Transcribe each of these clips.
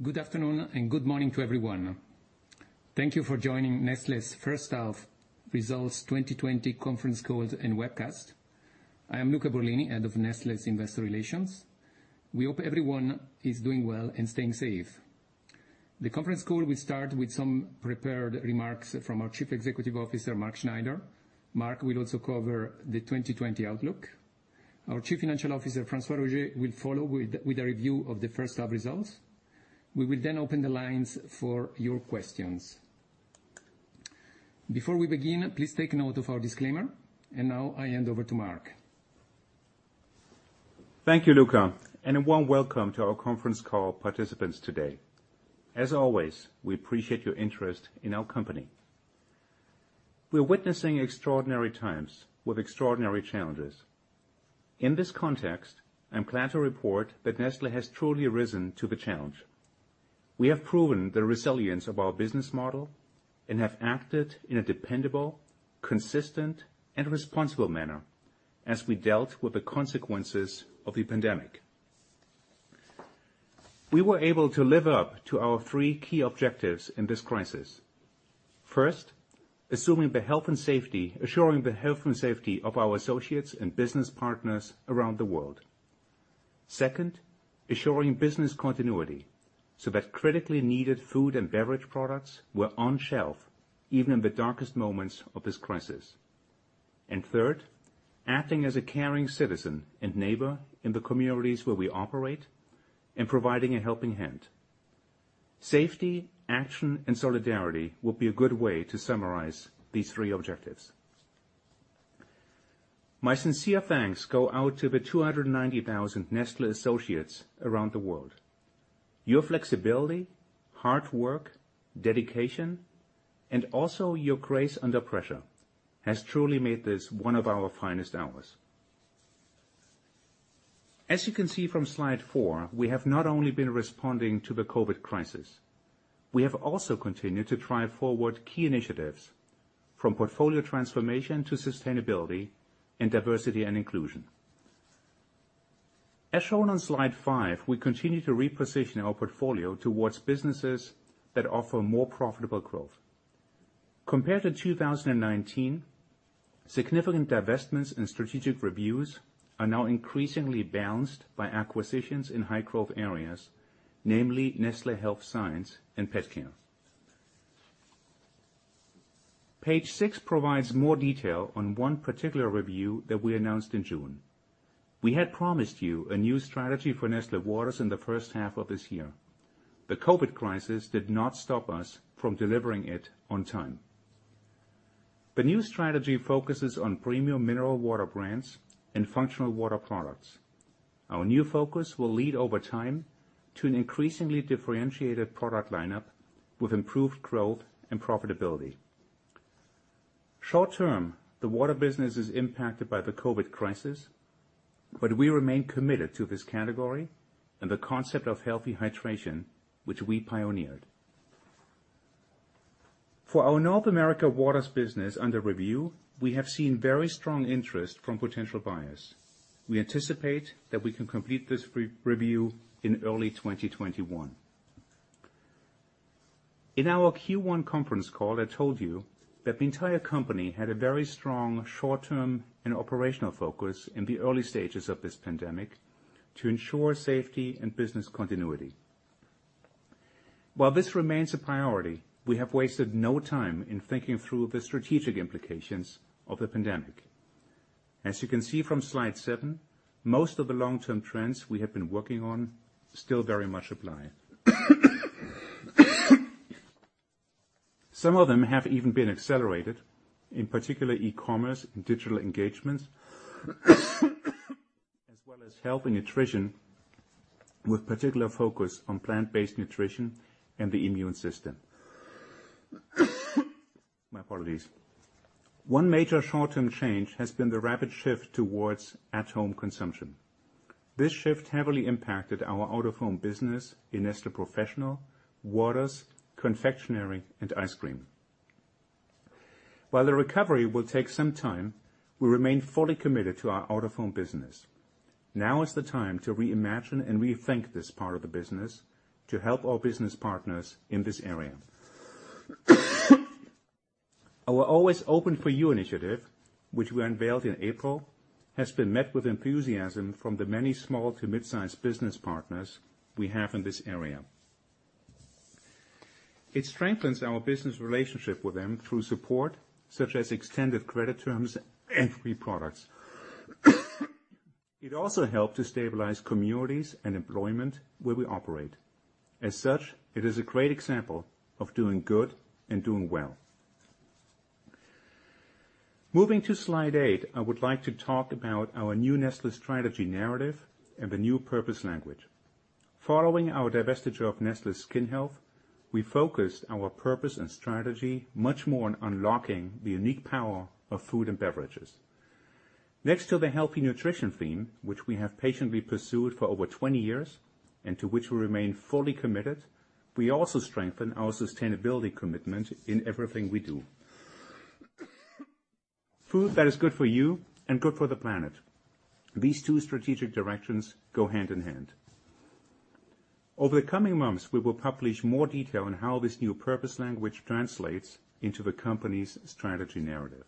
Good afternoon and good morning to everyone. Thank you for joining Nestlé's First Half Results 2020 Conference Call and Webcast. I am Luca Borlini, Head of Nestlé's Investor Relations. We hope everyone is doing well and staying safe. The conference call will start with some prepared remarks from our Chief Executive Officer, Mark Schneider. Mark will also cover the 2020 outlook. Our Chief Financial Officer, François Roger, will follow with a review of the first half results. We will then open the lines for your questions. Before we begin, please take note of our disclaimer. Now I hand over to Mark. Thank you, Luca, and a warm welcome to our conference call participants today. As always, we appreciate your interest in our company. We're witnessing extraordinary times with extraordinary challenges. In this context, I'm glad to report that Nestlé has truly risen to the challenge. We have proven the resilience of our business model and have acted in a dependable, consistent, and responsible manner as we dealt with the consequences of the pandemic. We were able to live up to our three key objectives in this crisis. First, assuring the health and safety of our associates and business partners around the world. Second, assuring business continuity, so that critically needed food and beverage products were on shelf even in the darkest moments of this crisis. Third, acting as a caring citizen and neighbor in the communities where we operate, and providing a helping hand. Safety, action, and solidarity would be a good way to summarize these three objectives. My sincere thanks go out to the 290,000 Nestlé associates around the world. Your flexibility, hard work, dedication, and also your grace under pressure, has truly made this one of our finest hours. As you can see from slide four, we have not only been responding to the COVID crisis, we have also continued to drive forward key initiatives, from portfolio transformation to sustainability and diversity and inclusion. As shown on slide five, we continue to reposition our portfolio towards businesses that offer more profitable growth. Compared to 2019, significant divestments and strategic reviews are now increasingly balanced by acquisitions in high growth areas, namely Nestlé Health Science and PetCare. Page six provides more detail on one particular review that we announced in June. We had promised you a new strategy for Nestlé Waters in the first half of this year. The COVID crisis did not stop us from delivering it on time. The new strategy focuses on premium mineral water brands and functional water products. Our new focus will lead over time to an increasingly differentiated product lineup with improved growth and profitability. Short term, the water business is impacted by the COVID crisis, but we remain committed to this category and the concept of healthy hydration, which we pioneered. For our North America Waters business under review, we have seen very strong interest from potential buyers. We anticipate that we can complete this review in early 2021. In our Q1 conference call, I told you that the entire company had a very strong short-term and operational focus in the early stages of this pandemic to ensure safety and business continuity. While this remains a priority, we have wasted no time in thinking through the strategic implications of the pandemic. As you can see from slide seven, most of the long-term trends we have been working on still very much apply. Some of them have even been accelerated, in particular e-commerce and digital engagements, as well as Health and Nutrition with particular focus on plant-based nutrition and the immune system. My apologies. One major short-term change has been the rapid shift towards at-home consumption. This shift heavily impacted our out-of-home business in Nestlé Professional, Waters, Confectionery, and Ice cream. While the recovery will take some time, we remain fully committed to our out-of-home business. Now is the time to reimagine and rethink this part of the business to help our business partners in this area. Our Always Open For You initiative, which we unveiled in April, has been met with enthusiasm from the many small to mid-size business partners we have in this area. It strengthens our business relationship with them through support such as extended credit terms and free products. It also helped to stabilize communities and employment where we operate. As such, it is a great example of doing good and doing well. Moving to slide eight, I would like to talk about our new Nestlé strategy narrative and the new purpose language. Following our divestiture of Nestlé Skin Health, we focused our purpose and strategy much more on unlocking the unique power of food and beverages. Next to the healthy nutrition theme, which we have patiently pursued for over 20 years, and to which we remain fully committed, we also strengthen our sustainability commitment in everything we do. Food that is good for you and good for the planet. These two strategic directions go hand in hand. Over the coming months, we will publish more detail on how this new purpose language translates into the company's strategy narrative.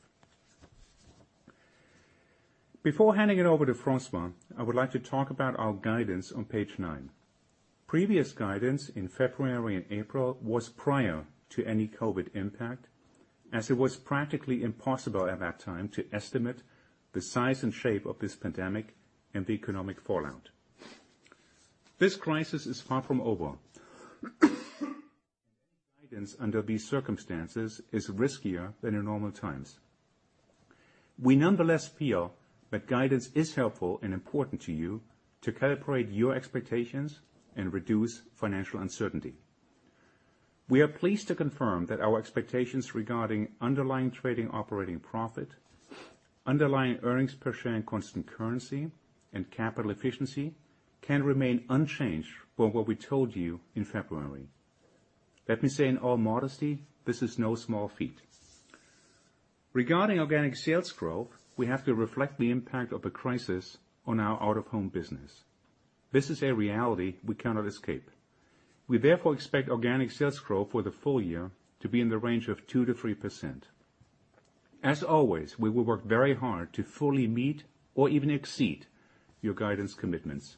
Before handing it over to François, I would like to talk about our guidance on page nine. Previous guidance in February and April was prior to any COVID-19 impact, as it was practically impossible at that time to estimate the size and shape of this pandemic and the economic fallout. This crisis is far from over. Any guidance under these circumstances is riskier than in normal times. We nonetheless feel that guidance is helpful and important to you to calibrate your expectations and reduce financial uncertainty. We are pleased to confirm that our expectations regarding underlying trading operating profit, underlying earnings per share and constant currency, and capital efficiency can remain unchanged from what we told you in February. Let me say in all modesty, this is no small feat. Regarding organic sales growth, we have to reflect the impact of the crisis on our out-of-home business. This is a reality we cannot escape. We therefore expect organic sales growth for the full year to be in the range of 2%-3%. As always, we will work very hard to fully meet or even exceed your guidance commitments.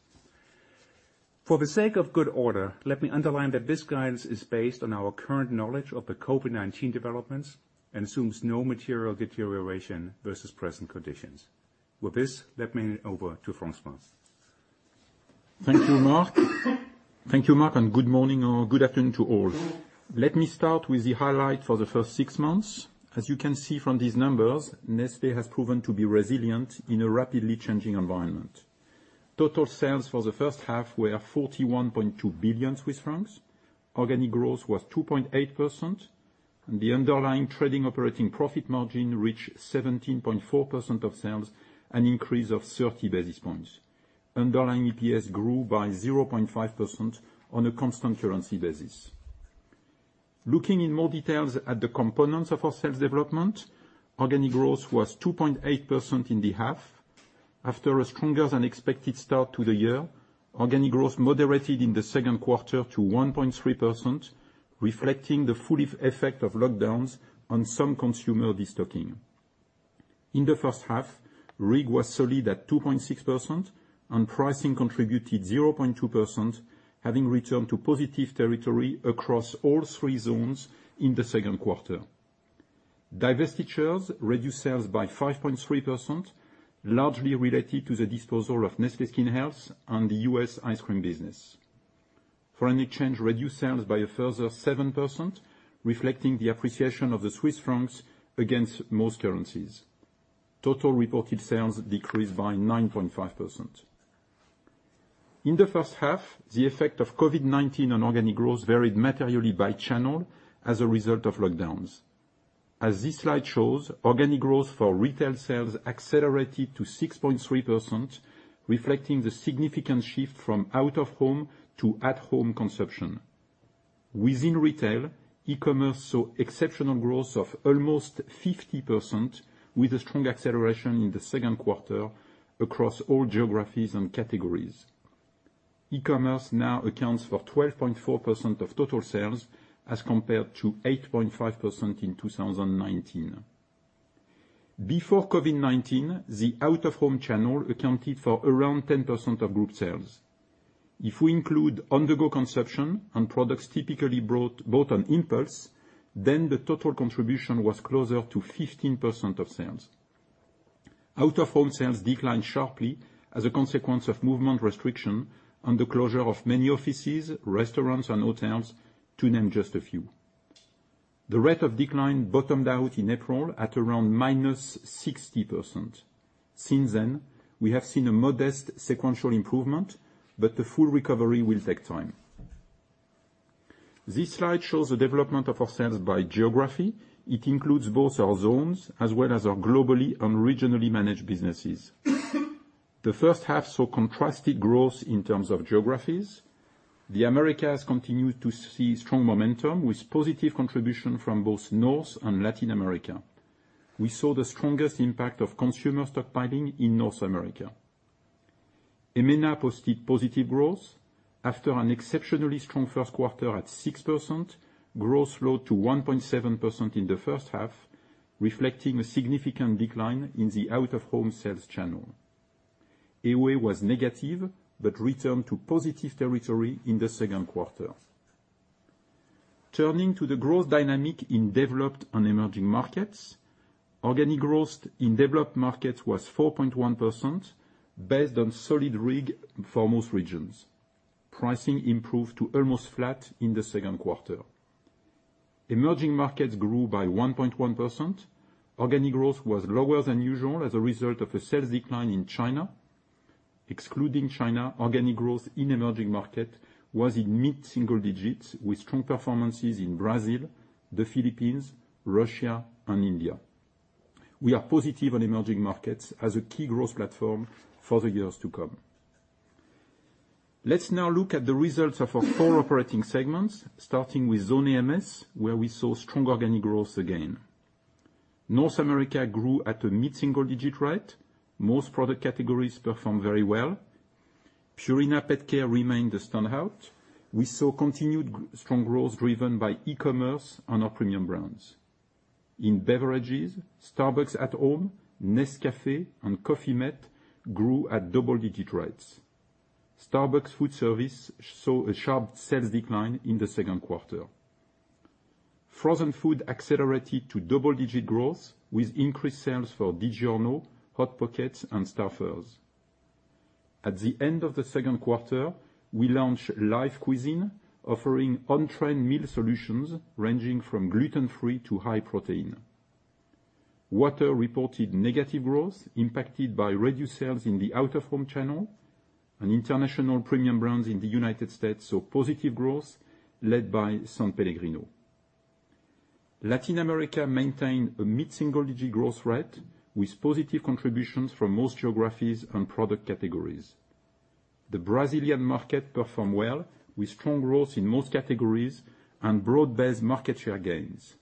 For the sake of good order, let me underline that this guidance is based on our current knowledge of the COVID-19 developments and assumes no material deterioration versus present conditions. With this, let me hand over to François. Thank you, Mark. Good morning or good afternoon to all. Let me start with the highlight for the first six months. As you can see from these numbers, Nestlé has proven to be resilient in a rapidly changing environment. Total sales for the first half were 41.2 billion Swiss francs. Organic growth was 2.8%. The underlying trading operating profit margin reached 17.4% of sales, an increase of 30 basis points. Underlying EPS grew by 0.5% on a constant currency basis. Looking in more details at the components of our sales development, organic growth was 2.8% in the half. After a stronger than expected start to the year, organic growth moderated in the second quarter to 1.3%, reflecting the full effect of lockdowns on some consumer destocking. In the first half, RIG was solid at 2.6% and pricing contributed 0.2%, having returned to positive territory across all three zones in the second quarter. Divestitures reduced sales by 5.3%, largely related to the disposal of Nestlé Skin Health and the U.S. ice cream business. Foreign exchange reduced sales by a further 7%, reflecting the appreciation of the Swiss francs against most currencies. Total reported sales decreased by 9.5%. In the first half, the effect of COVID-19 on organic growth varied materially by channel as a result of lockdowns. As this slide shows, organic growth for retail sales accelerated to 6.3%, reflecting the significant shift from out-of-home to at-home consumption. Within retail, e-commerce saw exceptional growth of almost 50% with a strong acceleration in the second quarter across all geographies and categories. E-commerce now accounts for 12.4% of total sales as compared to 8.5% in 2019. Before COVID-19, the out-of-home channel accounted for around 10% of group sales. If we include on-the-go consumption and products typically bought on impulse, then total contribution was closer to 15% of sales. Out-of-home sales declined sharply as a consequence of movement restriction and the closure of many offices, restaurants, and hotels, to name just a few. The rate of decline bottomed out in April at around -60%. Since then, we have seen a modest sequential improvement, the full recovery will take time. This slide shows the development of our sales by geography. It includes both our zones as well as our globally and regionally managed businesses. The first half saw contrasted growth in terms of geographies. The Americas continued to see strong momentum with positive contribution from both North and Latin America. We saw the strongest impact of consumer stockpiling in North America. EMEA posted positive growth after an exceptionally strong first quarter at 6%, growth slowed to 1.7% in the first half, reflecting a significant decline in the out-of-home sales channel. AOA was negative, returned to positive territory in the second quarter. Turning to the growth dynamic in developed and emerging markets, organic growth in developed markets was 4.1%, based on solid RIG for most regions. Pricing improved to almost flat in the second quarter. Emerging markets grew by 1.1%. Organic growth was lower than usual as a result of a sales decline in China. Excluding China, organic growth in emerging market was in mid-single digits with strong performances in Brazil, the Philippines, Russia, and India. We are positive on emerging markets as a key growth platform for the years to come. Let's now look at the results of our four operating segments, starting with Zone AMS, where we saw strong organic growth again. North America grew at a mid-single-digit rate. Most product categories performed very well. Purina PetCare remained the standout. We saw continued strong growth driven by e-commerce and our premium brands. In beverages, Starbucks at Home, Nescafé, and Coffee-mate grew at double-digit rates. Starbucks Foodservice saw a sharp sales decline in the second quarter. Frozen food accelerated to double-digit growth with increased sales for DiGiorno, Hot Pockets, and Stouffer's. At the end of the second quarter, we launched Life Cuisine offering on-trend meal solutions ranging from gluten-free to high protein. Water reported negative growth impacted by reduced sales in the out-of-home channel and international premium brands in the United States saw positive growth led by Sanpellegrino. Latin America maintained a mid-single digit growth rate with positive contributions from most geographies and product categories. The Brazilian market performed well with strong growth in most categories and broad-based market share gains.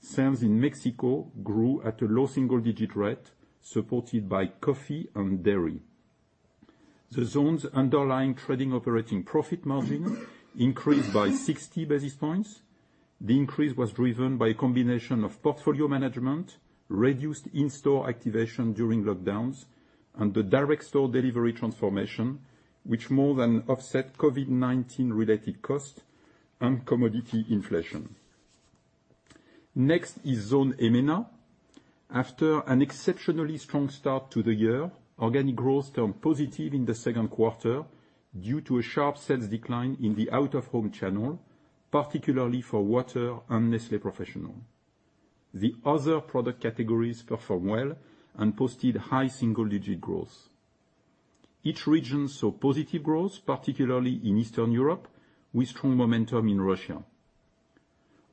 Sales in Mexico grew at a low single-digit rate, supported by coffee and dairy. The Zone's underlying trading operating profit margin increased by 60 basis points. The increase was driven by a combination of portfolio management, reduced in-store activation during lockdowns, and the direct store delivery transformation, which more than offset COVID-19 related costs and commodity inflation. Next is Zone EMENA. After an exceptionally strong start to the year, organic growth turned positive in the second quarter due to a sharp sales decline in the out-of-home channel, particularly for water and Nestlé Professional. The other product categories performed well and posted high single-digit growth. Each region saw positive growth, particularly in Eastern Europe, with strong momentum in Russia.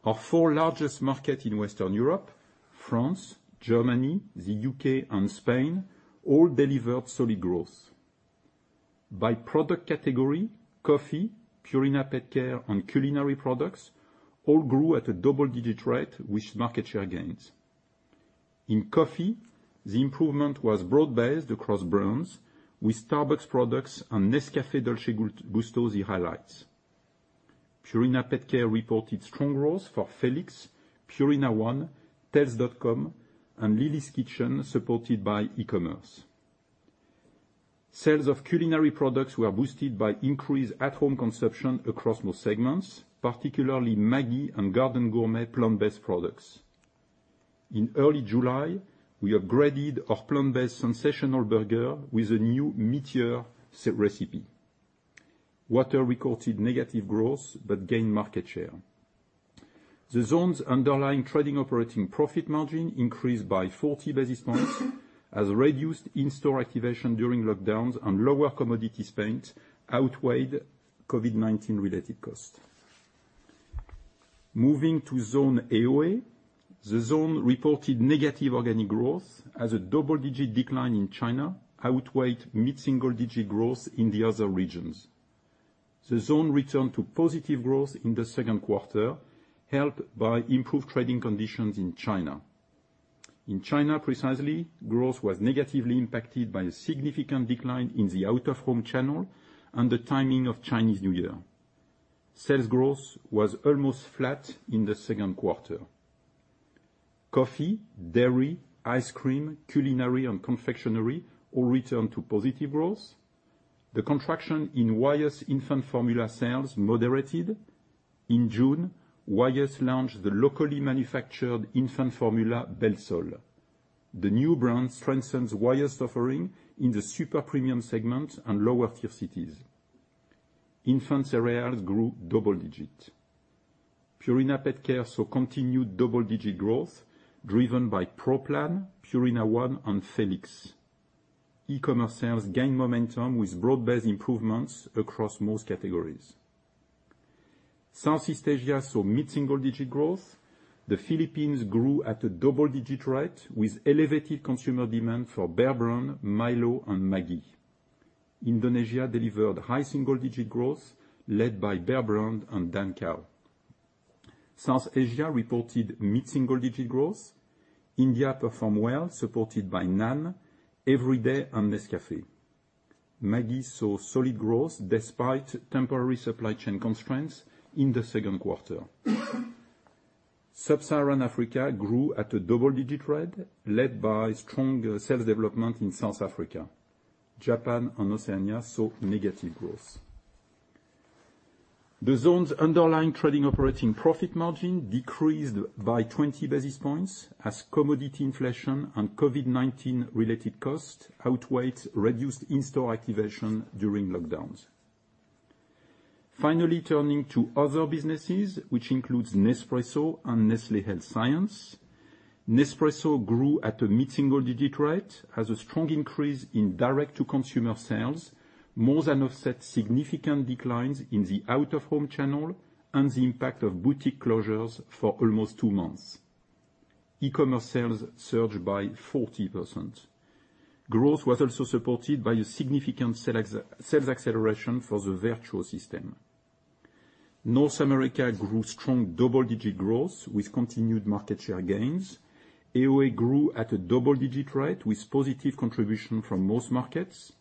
Our four largest market in Western Europe, France, Germany, the U.K., and Spain all delivered solid growth. By product category, coffee, Purina PetCare, and culinary products all grew at a double-digit rate with market share gains. In coffee, the improvement was broad-based across brands with Starbucks products and Nescafé Dolce Gusto, the highlights. Purina PetCare reported strong growth for Felix, Purina ONE, Tails.com, and Lily's Kitchen, supported by e-commerce. Sales of culinary products were boosted by increased at-home consumption across most segments, particularly Maggi and Garden Gourmet plant-based products. In early July, we upgraded our plant-based Sensational Burger with a new meatier recipe. Water recorded negative growth but gained market share. The Zone's underlying trading operating profit margin increased by 40 basis points as reduced in-store activation during lockdowns and lower commodity spend outweighed COVID-19 related costs. Moving to Zone AOA. The Zone reported negative organic growth as a double-digit decline in China outweighed mid-single digit growth in the other regions. The Zone returned to positive growth in the second quarter, helped by improved trading conditions in China. In China precisely, growth was negatively impacted by a significant decline in the out-of-home channel and the timing of Chinese New Year. Sales growth was almost flat in the second quarter. Coffee, dairy, ice cream, culinary, and confectionery all returned to positive growth. The contraction in Wyeth infant formula sales moderated. In June, Wyeth launched the locally manufactured infant formula, Belsol. The new brand strengthens Wyeth's offering in the super premium segment and lower tier cities. Infant cereals grew double-digit. Purina PetCare saw continued double-digit growth driven by Pro Plan, Purina ONE, and Felix. E-commerce sales gained momentum with broad-based improvements across most categories. Southeast Asia saw mid-single-digit growth. The Philippines grew at a double-digit rate with elevated consumer demand for Bear Brand, Milo, and Maggi. Indonesia delivered high-single-digit growth led by Bear Brand and Dancow. South Asia reported mid-single-digit growth. India performed well, supported by NAN, EVERYDAY, and Nescafé. Maggi saw solid growth despite temporary supply chain constraints in the second quarter. Sub-Saharan Africa grew at a double-digit rate led by strong sales development in South Africa. Japan and Oceania saw negative growth. The Zone's underlying trading operating profit margin decreased by 20 basis points as commodity inflation and COVID-19 related costs outweighed reduced in-store activation during lockdowns. Turning to other businesses, which includes Nespresso and Nestlé Health Science. Nespresso grew at a mid-single digit rate as a strong increase in direct-to-consumer sales more than offset significant declines in the out-of-home channel and the impact of boutique closures for almost two months. E-commerce sales surged by 40%. Growth was also supported by a significant sales acceleration for the Vertuo system. North America grew strong double-digit growth with continued market share gains. AOA grew at a double-digit rate with positive contribution from most markets.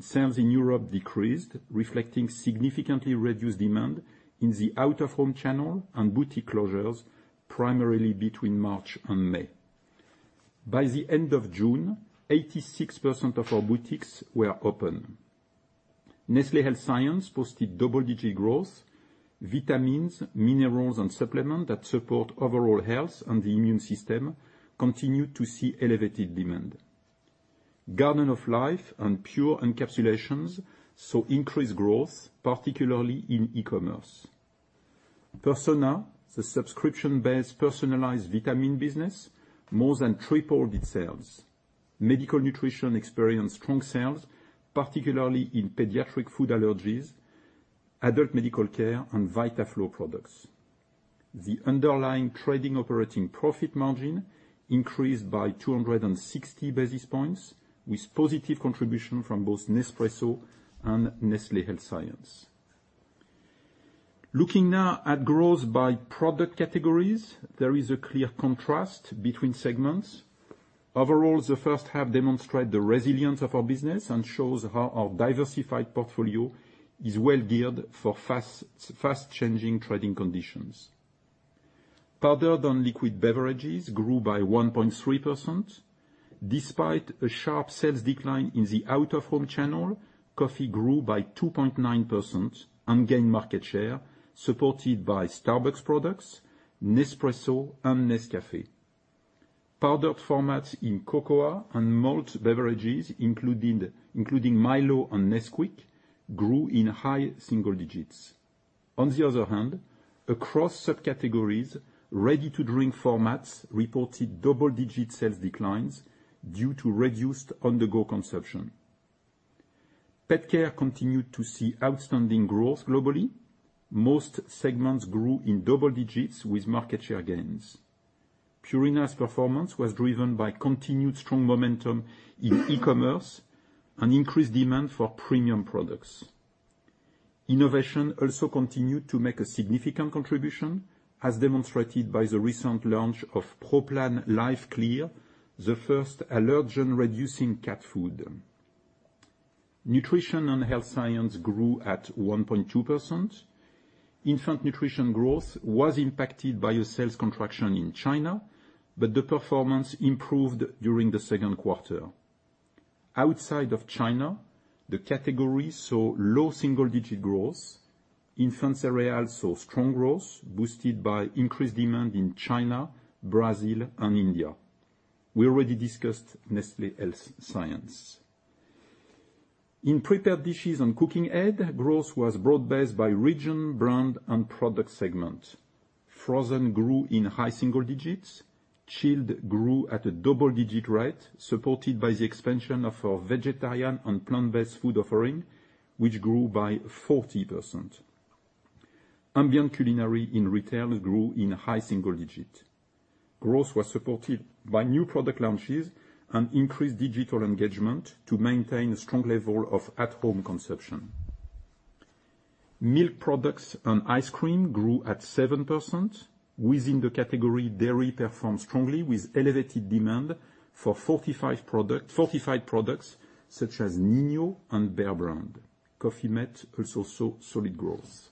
Sales in Europe decreased, reflecting significantly reduced demand in the out-of-home channel and boutique closures, primarily between March and May. By the end of June, 86% of our boutiques were open. Nestlé Health Science posted double-digit growth. Vitamins, minerals, and supplement that support overall health and the immune system continued to see elevated demand. Garden of Life and Pure Encapsulations saw increased growth, particularly in e-commerce. Persona, the subscription-based personalized vitamin business, more than tripled its sales. Medical Nutrition experienced strong sales, particularly in pediatric food allergies, adult medical care, and Vitaflo products. The underlying trading operating profit margin increased by 260 basis points, with positive contribution from both Nespresso and Nestlé Health Science. Looking now at growth by product categories, there is a clear contrast between segments. Overall, the first half demonstrate the resilience of our business and shows how our diversified portfolio is well geared for fast-changing trading conditions. Powdered and liquid beverages grew by 1.3%. Despite a sharp sales decline in the out-of-home channel, coffee grew by 2.9% and gained market share, supported by Starbucks products, Nespresso, and Nescafé. Powdered formats in cocoa and malt beverages, including Milo and Nesquik, grew in high single digits. On the other hand, across subcategories, ready-to-drink formats reported double-digit sales declines due to reduced on-the-go consumption. PetCare continued to see outstanding growth globally. Most segments grew in double digits with market share gains. Purina's performance was driven by continued strong momentum in e-commerce and increased demand for premium products. Innovation also continued to make a significant contribution, as demonstrated by the recent launch of Pro Plan LiveClear, the first allergen-reducing cat food. Nutrition and Health Science grew at 1.2%. Infant nutrition growth was impacted by a sales contraction in China, but the performance improved during the second quarter. Outside of China, the category saw low single-digit growth. Infant cereals saw strong growth, boosted by increased demand in China, Brazil, and India. We already discussed Nestlé Health Science. In prepared dishes and cooking aid, growth was broad-based by region, brand, and product segment. Frozen grew in high single digits. Chilled grew at a double-digit rate, supported by the expansion of our vegetarian and plant-based food offering, which grew by 40%. Ambient culinary in retail grew in high single digit. Growth was supported by new product launches and increased digital engagement to maintain a strong level of at-home consumption. Milk products and ice cream grew at 7%. Within the category, dairy performed strongly, with elevated demand for fortified products such as Ninho and Bear Brand. Coffee-mate also saw solid growth.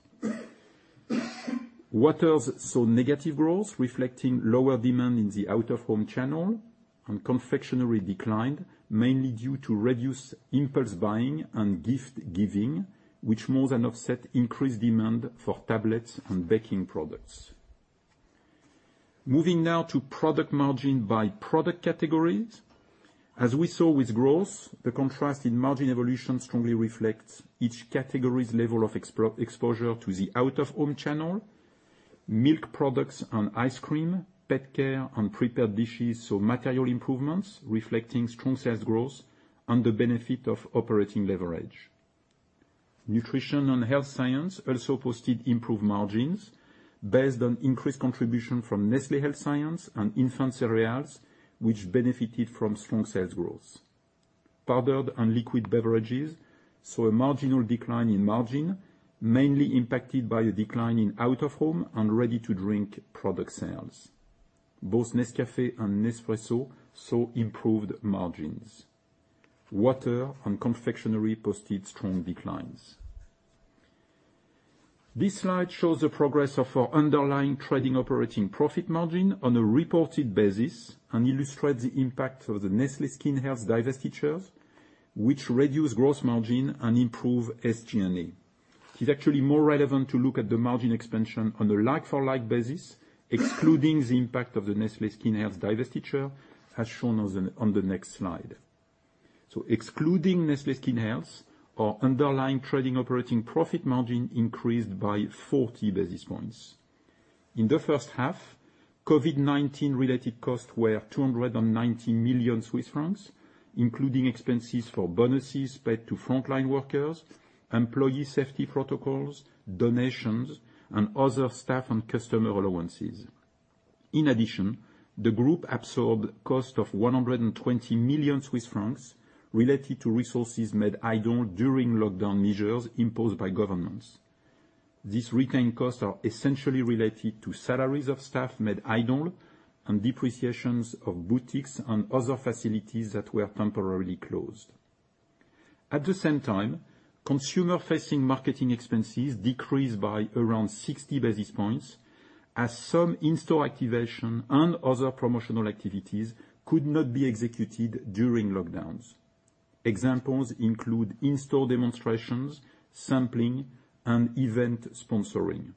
Waters saw negative growth, reflecting lower demand in the out-of-home channel, and confectionery declined, mainly due to reduced impulse buying and gift-giving, which more than offset increased demand for tablets and baking products. Moving now to product margin by product categories. As we saw with growth, the contrast in margin evolution strongly reflects each category's level of exposure to the out-of-home channel. Milk products and ice cream, PetCare, and prepared dishes saw material improvements, reflecting strong sales growth and the benefit of operating leverage. Nutrition and Health Science also posted improved margins based on increased contribution from Nestlé Health Science and infant cereals, which benefited from strong sales growth. Powdered and liquid beverages saw a marginal decline in margin, mainly impacted by a decline in out-of-home and ready-to-drink product sales. Both Nescafé and Nespresso saw improved margins. Water and confectionery posted strong declines. This slide shows the progress of our underlying trading operating profit margin on a reported basis and illustrates the impact of the Nestlé Skin Health divestitures, which reduce gross margin and improve SG&A. It's actually more relevant to look at the margin expansion on a like-for-like basis, excluding the impact of the Nestlé Skin Health divestiture, as shown on the next slide. Excluding Nestlé Skin Health, our underlying trading operating profit margin increased by 40 basis points. In the first half, COVID-19 related costs were 290 million Swiss francs, including expenses for bonuses paid to frontline workers, employee safety protocols, donations, and other staff and customer allowances. In addition, the group absorbed cost of 120 million Swiss francs related to resources made idle during lockdown measures imposed by governments. These retained costs are essentially related to salaries of staff made idle and depreciations of boutiques and other facilities that were temporarily closed. At the same time, consumer-facing marketing expenses decreased by around 60 basis points as some in-store activation and other promotional activities could not be executed during lockdowns. Examples include in-store demonstrations, sampling, and event sponsoring.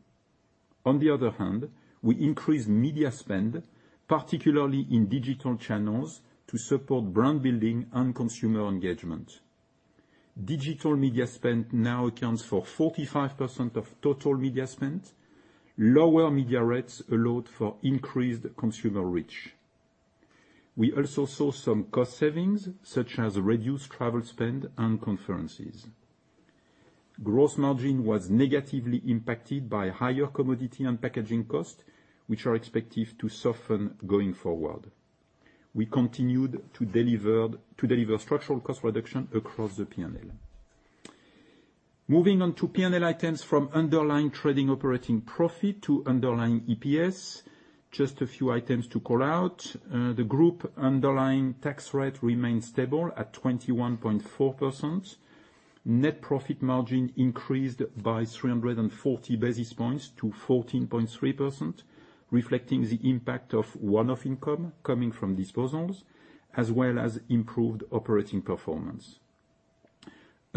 On the other hand, we increased media spend, particularly in digital channels, to support brand building and consumer engagement. Digital media spend now accounts for 45% of total media spend. Lower media rates allowed for increased consumer reach. We also saw some cost savings, such as reduced travel spend and conferences. Gross margin was negatively impacted by higher commodity and packaging costs, which are expected to soften going forward. We continued to deliver structural cost reduction across the P&L. Moving on to P&L items from underlying trading operating profit to underlying EPS, just a few items to call out. The group underlying tax rate remains stable at 21.4%. Net profit margin increased by 340 basis points to 14.3%, reflecting the impact of one-off income coming from disposals, as well as improved operating performance.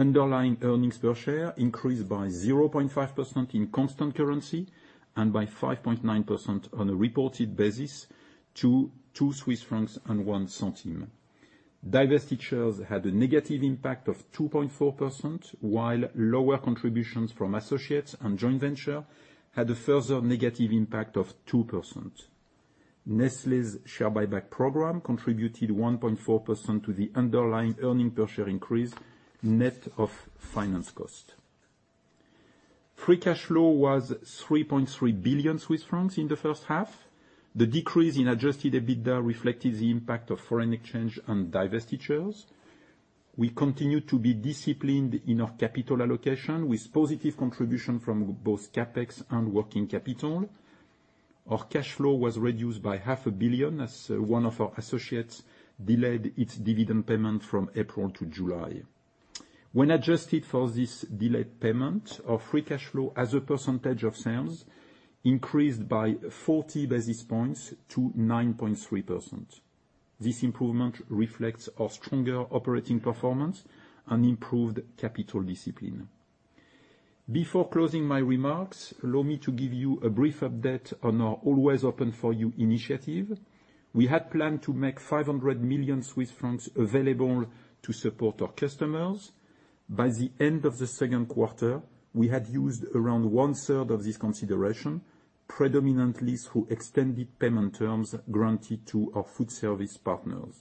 Underlying earnings per share increased by 0.5% in constant currency and by 5.9% on a reported basis to 2.01 Swiss francs. Divestitures had a negative impact of 2.4%, while lower contributions from associates and joint venture had a further negative impact of 2%. Nestlé's share buyback program contributed 1.4% to the underlying earnings per share increase, net of finance cost. Free cash flow was 3.3 billion Swiss francs in the first half. The decrease in adjusted EBITDA reflected the impact of foreign exchange and divestitures. We continue to be disciplined in our capital allocation, with positive contribution from both CapEx and working capital. Our cash flow was reduced by CHF half a billion as one of our associates delayed its dividend payment from April to July. When adjusted for this delayed payment, our free cash flow as a percentage of sales increased by 40 basis points to 9.3%. This improvement reflects our stronger operating performance and improved capital discipline. Before closing my remarks, allow me to give you a brief update on our Always Open For You initiative. We had planned to make 500 million Swiss francs available to support our customers. By the end of the second quarter, we had used around one-third of this consideration, predominantly through extended payment terms granted to our foodservice partners.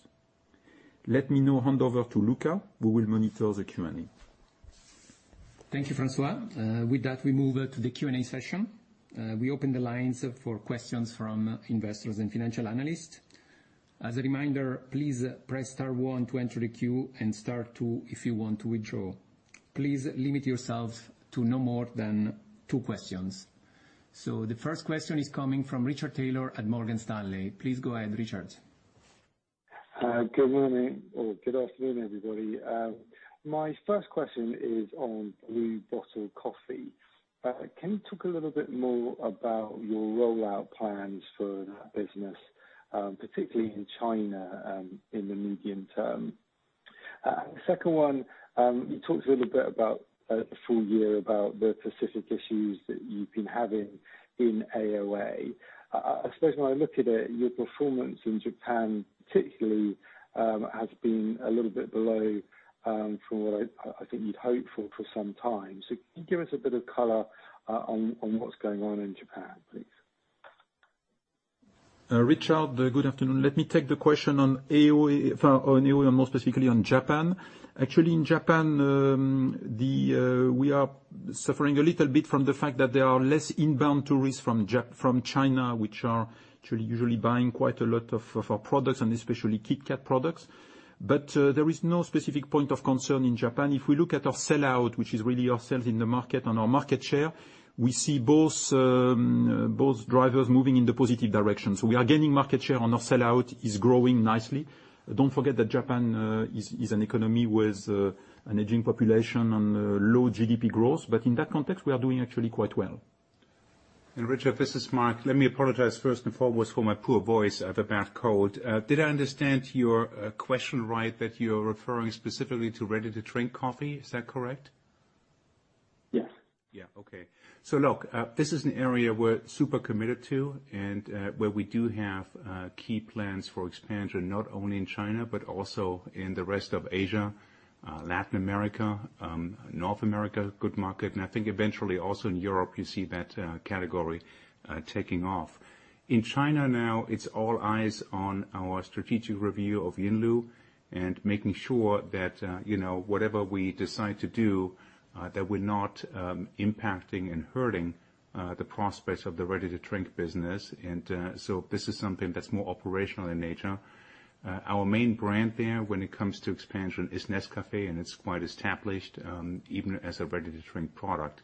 Let me now hand over to Luca, who will monitor the Q&A. Thank you, François. With that, we move to the Q&A session. We open the lines for questions from investors and financial analysts. As a reminder, please press star one to enter the queue and star two if you want to withdraw. Please limit yourself to no more than two questions. The first question is coming from Richard Taylor at Morgan Stanley. Please go ahead, Richard. Good morning or good afternoon, everybody. My first question is on brewed bottle coffee. Can you talk a little bit more about your rollout plans for that business, particularly in China, in the medium term? Second one, you talked a little bit about the full year, about the specific issues that you've been having in AOA. I suppose when I look at it, your performance in Japan particularly, has been a little bit below from what I think you'd hope for for some time. Can you give us a bit of color on what's going on in Japan, please? Richard, good afternoon. Let me take the question on AOA, more specifically on Japan. Actually, in Japan, we are suffering a little bit from the fact that there are less inbound tourists from China, which are actually usually buying quite a lot of our products and especially KitKat products. There is no specific point of concern in Japan. If we look at our sell-out, which is really our sales in the market, and our market share, we see both drivers moving in the positive direction. We are gaining market share and our sell-out is growing nicely. Don't forget that Japan is an economy with an aging population and low GDP growth. In that context, we are doing actually quite well. Richard, this is Mark. Let me apologize first and foremost for my poor voice. I have a bad cold. Did I understand your question right, that you're referring specifically to ready-to-drink coffee? Is that correct? Yes. Look, this is an area we're super committed to, and where we do have key plans for expansion, not only in China, but also in the rest of Asia, Latin America, North America, good market, and I think eventually also in Europe, you see that category taking off. In China now, it's all eyes on our strategic review of Yinlu and making sure that whatever we decide to do, that we're not impacting and hurting the prospects of the ready-to-drink business. This is something that's more operational in nature. Our main brand there when it comes to expansion is Nescafé, and it's quite established, even as a ready-to-drink product.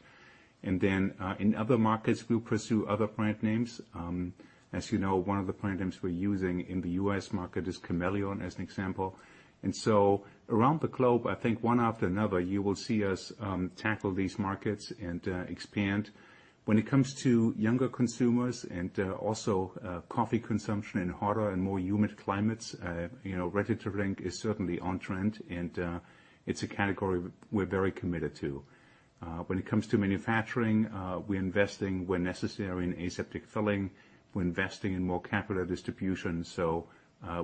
In other markets, we'll pursue other brand names. As you know, one of the brand names we're using in the U.S. market is Chameleon, as an example. Around the globe, I think one after another, you will see us tackle these markets and expand. When it comes to younger consumers and also coffee consumption in hotter and more humid climates, ready-to-drink is certainly on trend, and it's a category we're very committed to. When it comes to manufacturing, we're investing where necessary in aseptic filling. We're investing in more capital distribution.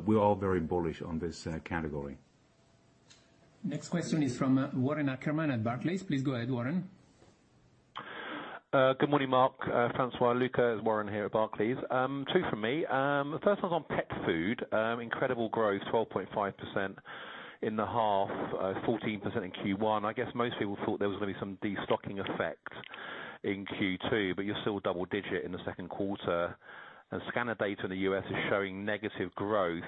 We're all very bullish on this category. Next question is from Warren Ackerman at Barclays. Please go ahead, Warren. Good morning, Mark, François, Luca. It's Warren here at Barclays. Two from me. First one's on pet food. Incredible growth, 12.5% in the half, 14% in Q1. I guess most people thought there was going to be some destocking effect in Q2, you're still double digit in the second quarter. Scanner data in the U.S. is showing negative growth.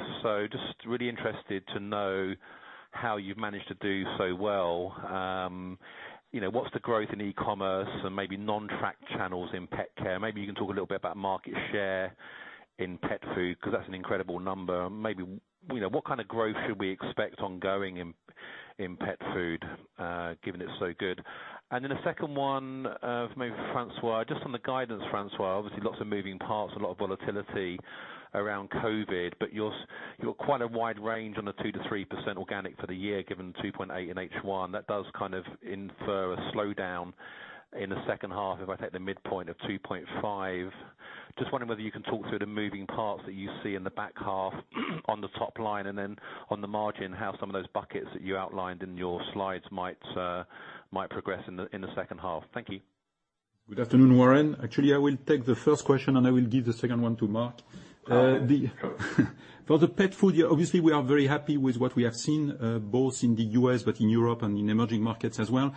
Just really interested to know how you've managed to do so well. What's the growth in e-commerce and maybe non-tracked channels in PetCare? You can talk a little bit about market share in pet food, because that's an incredible number. What kind of growth should we expect ongoing in pet food, given it's so good? A second one for maybe François. Just on the guidance, François, obviously lots of moving parts, a lot of volatility around COVID, but you're quite a wide range on the 2%-3% organic for the year, given 2.8% in H1. That does kind of infer a slowdown in the second half if I take the midpoint of 2.5%. Just wondering whether you can talk through the moving parts that you see in the back half on the top line, and then on the margin, how some of those buckets that you outlined in your slides might progress in the second half. Thank you. Good afternoon, Warren. Actually, I will take the first question, and I will give the second one to Mark. Okay. For the pet food, obviously, we are very happy with what we have seen, both in the U.S. but in Europe and in emerging markets as well.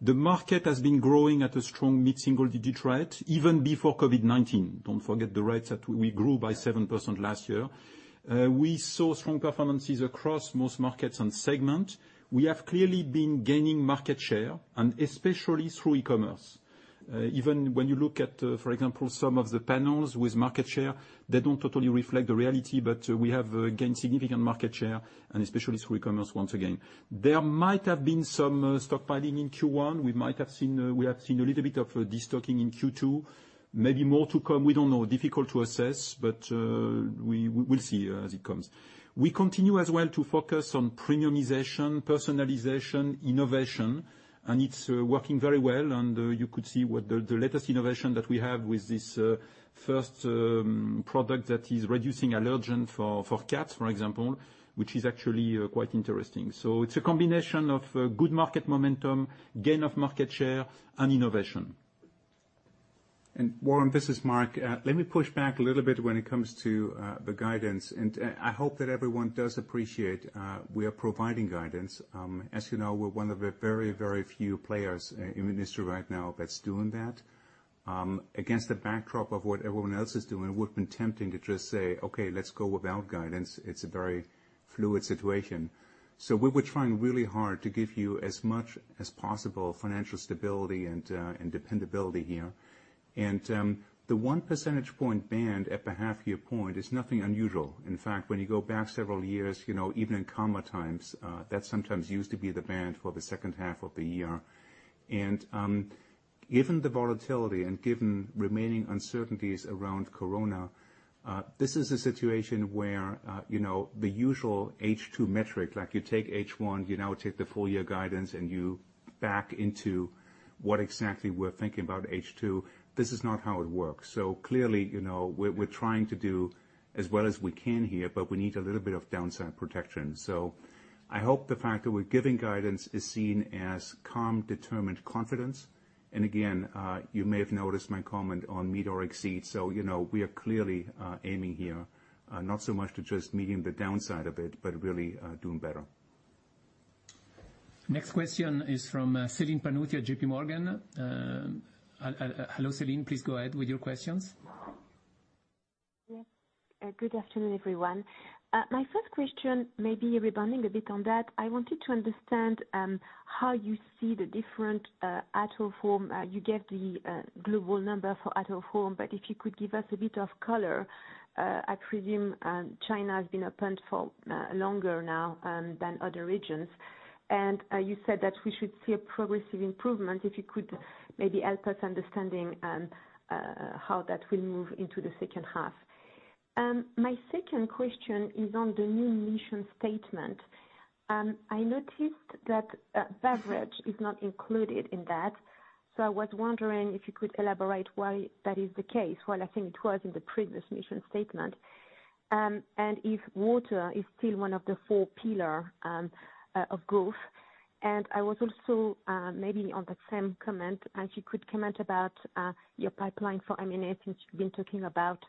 The market has been growing at a strong mid-single digit rate, even before COVID-19. Don't forget the rates that we grew by 7% last year. We saw strong performances across most markets and segment. We have clearly been gaining market share, and especially through e-commerce. Even when you look at, for example, some of the panels with market share, they don't totally reflect the reality, but we have gained significant market share, and especially through e-commerce once again. There might have been some stockpiling in Q1. We have seen a little bit of destocking in Q2. Maybe more to come, we don't know. Difficult to assess, but we'll see as it comes. We continue as well to focus on premiumization, personalization, innovation, and it's working very well. You could see what the latest innovation that we have with this first product that is reducing allergen for cats, for example, which is actually quite interesting. It's a combination of good market momentum, gain of market share, and innovation. Warren, this is Mark. Let me push back a little bit when it comes to the guidance. I hope that everyone does appreciate we are providing guidance. As you know, we're one of the very few players in the industry right now that's doing that. Against the backdrop of what everyone else is doing, it would've been tempting to just say, "Okay, let's go without guidance." It's a very fluid situation. We were trying really hard to give you as much as possible financial stability and dependability here. The one percentage point band at the half year point is nothing unusual. In fact, when you go back several years, even in calmer times, that sometimes used to be the band for the second half of the year. Given the volatility and given remaining uncertainties around corona, this is a situation where the usual H2 metric, like you take H1, you now take the full year guidance, and you back into what exactly we're thinking about H2, this is not how it works. Clearly, we're trying to do as well as we can here, but we need a little bit of downside protection. I hope the fact that we're giving guidance is seen as calm, determined confidence. Again, you may have noticed my comment on meet or exceed. We are clearly aiming here, not so much to just meeting the downside of it, but really doing better. Next question is from Céline Pannuti at JPMorgan. Hello, Céline, please go ahead with your questions. Yes. Good afternoon, everyone. My first question, maybe rebounding a bit on that, I wanted to understand how you see the different out-of-home. You gave the global number for out-of-home, if you could give us a bit of color. I presume China has been opened for longer now than other regions. You said that we should see a progressive improvement. If you could maybe help us understanding how that will move into the second half. My second question is on the new mission statement. I noticed that beverage is not included in that. I was wondering if you could elaborate why that is the case, while I think it was in the previous mission statement, and if water is still one of the four pillar of growth. I was also, maybe on that same comment, if you could comment about your pipeline for M&A, since you've been talking about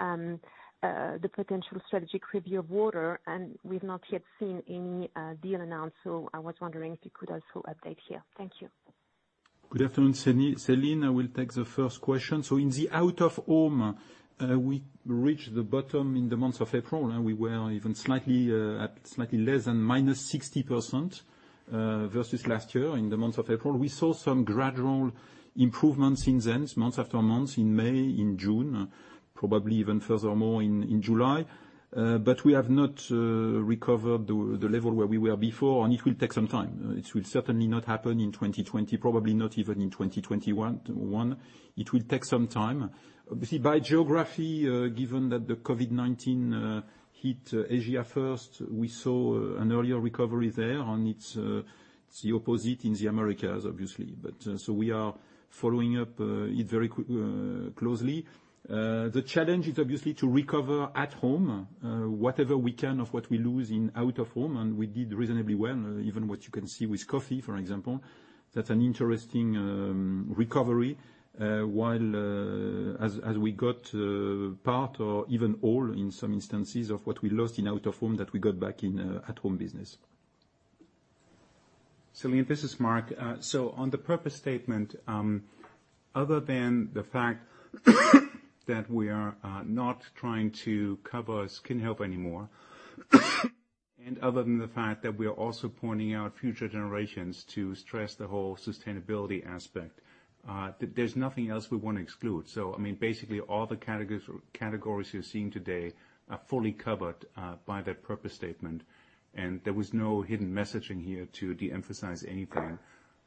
the potential strategy review of water, and we've not yet seen any deal announced. I was wondering if you could also update here. Thank you. Good afternoon, Céline. I will take the first question. In the out-of-home, we reached the bottom in the month of April. We were even slightly less than -60% versus last year in the month of April. We saw some gradual improvements since then, months after months, in May, in June, probably even furthermore in July. We have not recovered the level where we were before, and it will take some time. It will certainly not happen in 2020, probably not even in 2021. It will take some time. Obviously, by geography, given that the COVID-19 hit Asia first, we saw an earlier recovery there and it's the opposite in the Americas, obviously. We are following up it very closely. The challenge is obviously to recover at home whatever we can of what we lose in out-of-home, and we did reasonably well. Even what you can see with coffee, for example, that's an interesting recovery, as we got part or even all, in some instances, of what we lost in out-of-home that we got back in at-home business. Céline, this is Mark. On the purpose statement, other than the fact that we are not trying to cover Skin Health anymore, and other than the fact that we are also pointing out future generations to stress the whole sustainability aspect, there's nothing else we want to exclude. Basically, all the categories you're seeing today are fully covered by that purpose statement, and there was no hidden messaging here to de-emphasize anything.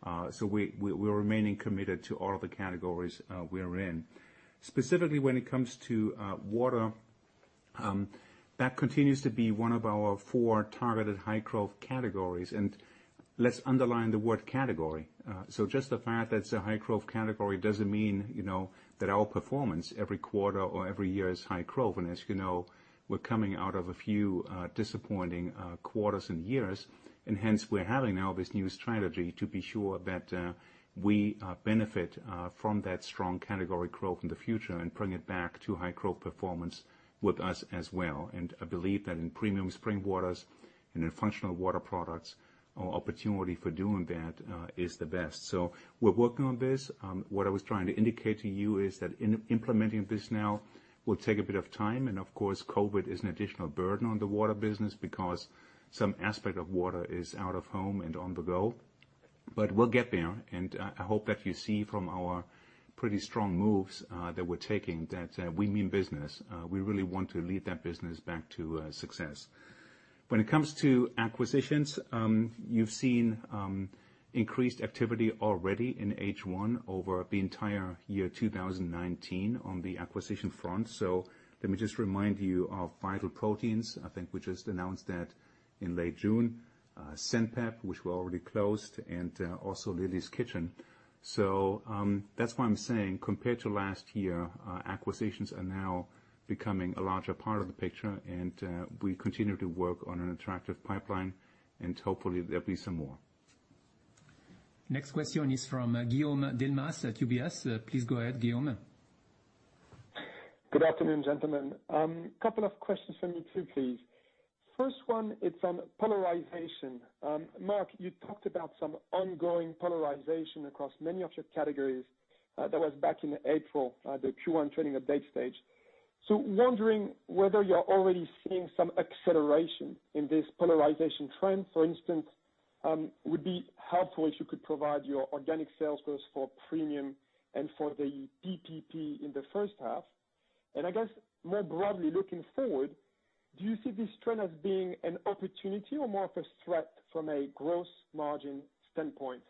We're remaining committed to all the categories we're in. Specifically when it comes to water, that continues to be one of our four targeted high growth categories. Let's underline the word category. Just the fact that it's a high growth category doesn't mean that our performance every quarter or every year is high growth. As you know, we're coming out of a few disappointing quarters and years, hence we're having now this new strategy to be sure that we benefit from that strong category growth in the future and bring it back to high growth performance with us as well. I believe that in premium spring waters and in functional water products, our opportunity for doing that is the best. We're working on this. What I was trying to indicate to you is that implementing this now will take a bit of time, and of course, COVID is an additional burden on the water business because some aspect of water is out-of-home and on the go. We'll get there, and I hope that you see from our pretty strong moves that we're taking, that we mean business. We really want to lead that business back to success. When it comes to acquisitions, you've seen increased activity already in H1 over the entire year 2019 on the acquisition front. Let me just remind you of Vital Proteins, I think we just announced that in late June. Zenpep, which we already closed, and also Lily's Kitchen. That's why I'm saying, compared to last year, acquisitions are now becoming a larger part of the picture, and we continue to work on an attractive pipeline, and hopefully there'll be some more. Next question is from Guillaume Delmas at UBS. Please go ahead, Guillaume. Good afternoon, gentlemen. Couple of questions from me, too, please. First one is on polarization. Mark, you talked about some ongoing polarization across many of your categories. That was back in April at the Q1 trading update stage. Wondering whether you're already seeing some acceleration in this polarization trend. For instance, would be helpful if you could provide your organic sales growth for premium and for the PPP in the first half. I guess more broadly, looking forward, do you see this trend as being an opportunity or more of a threat from a gross margin standpoint?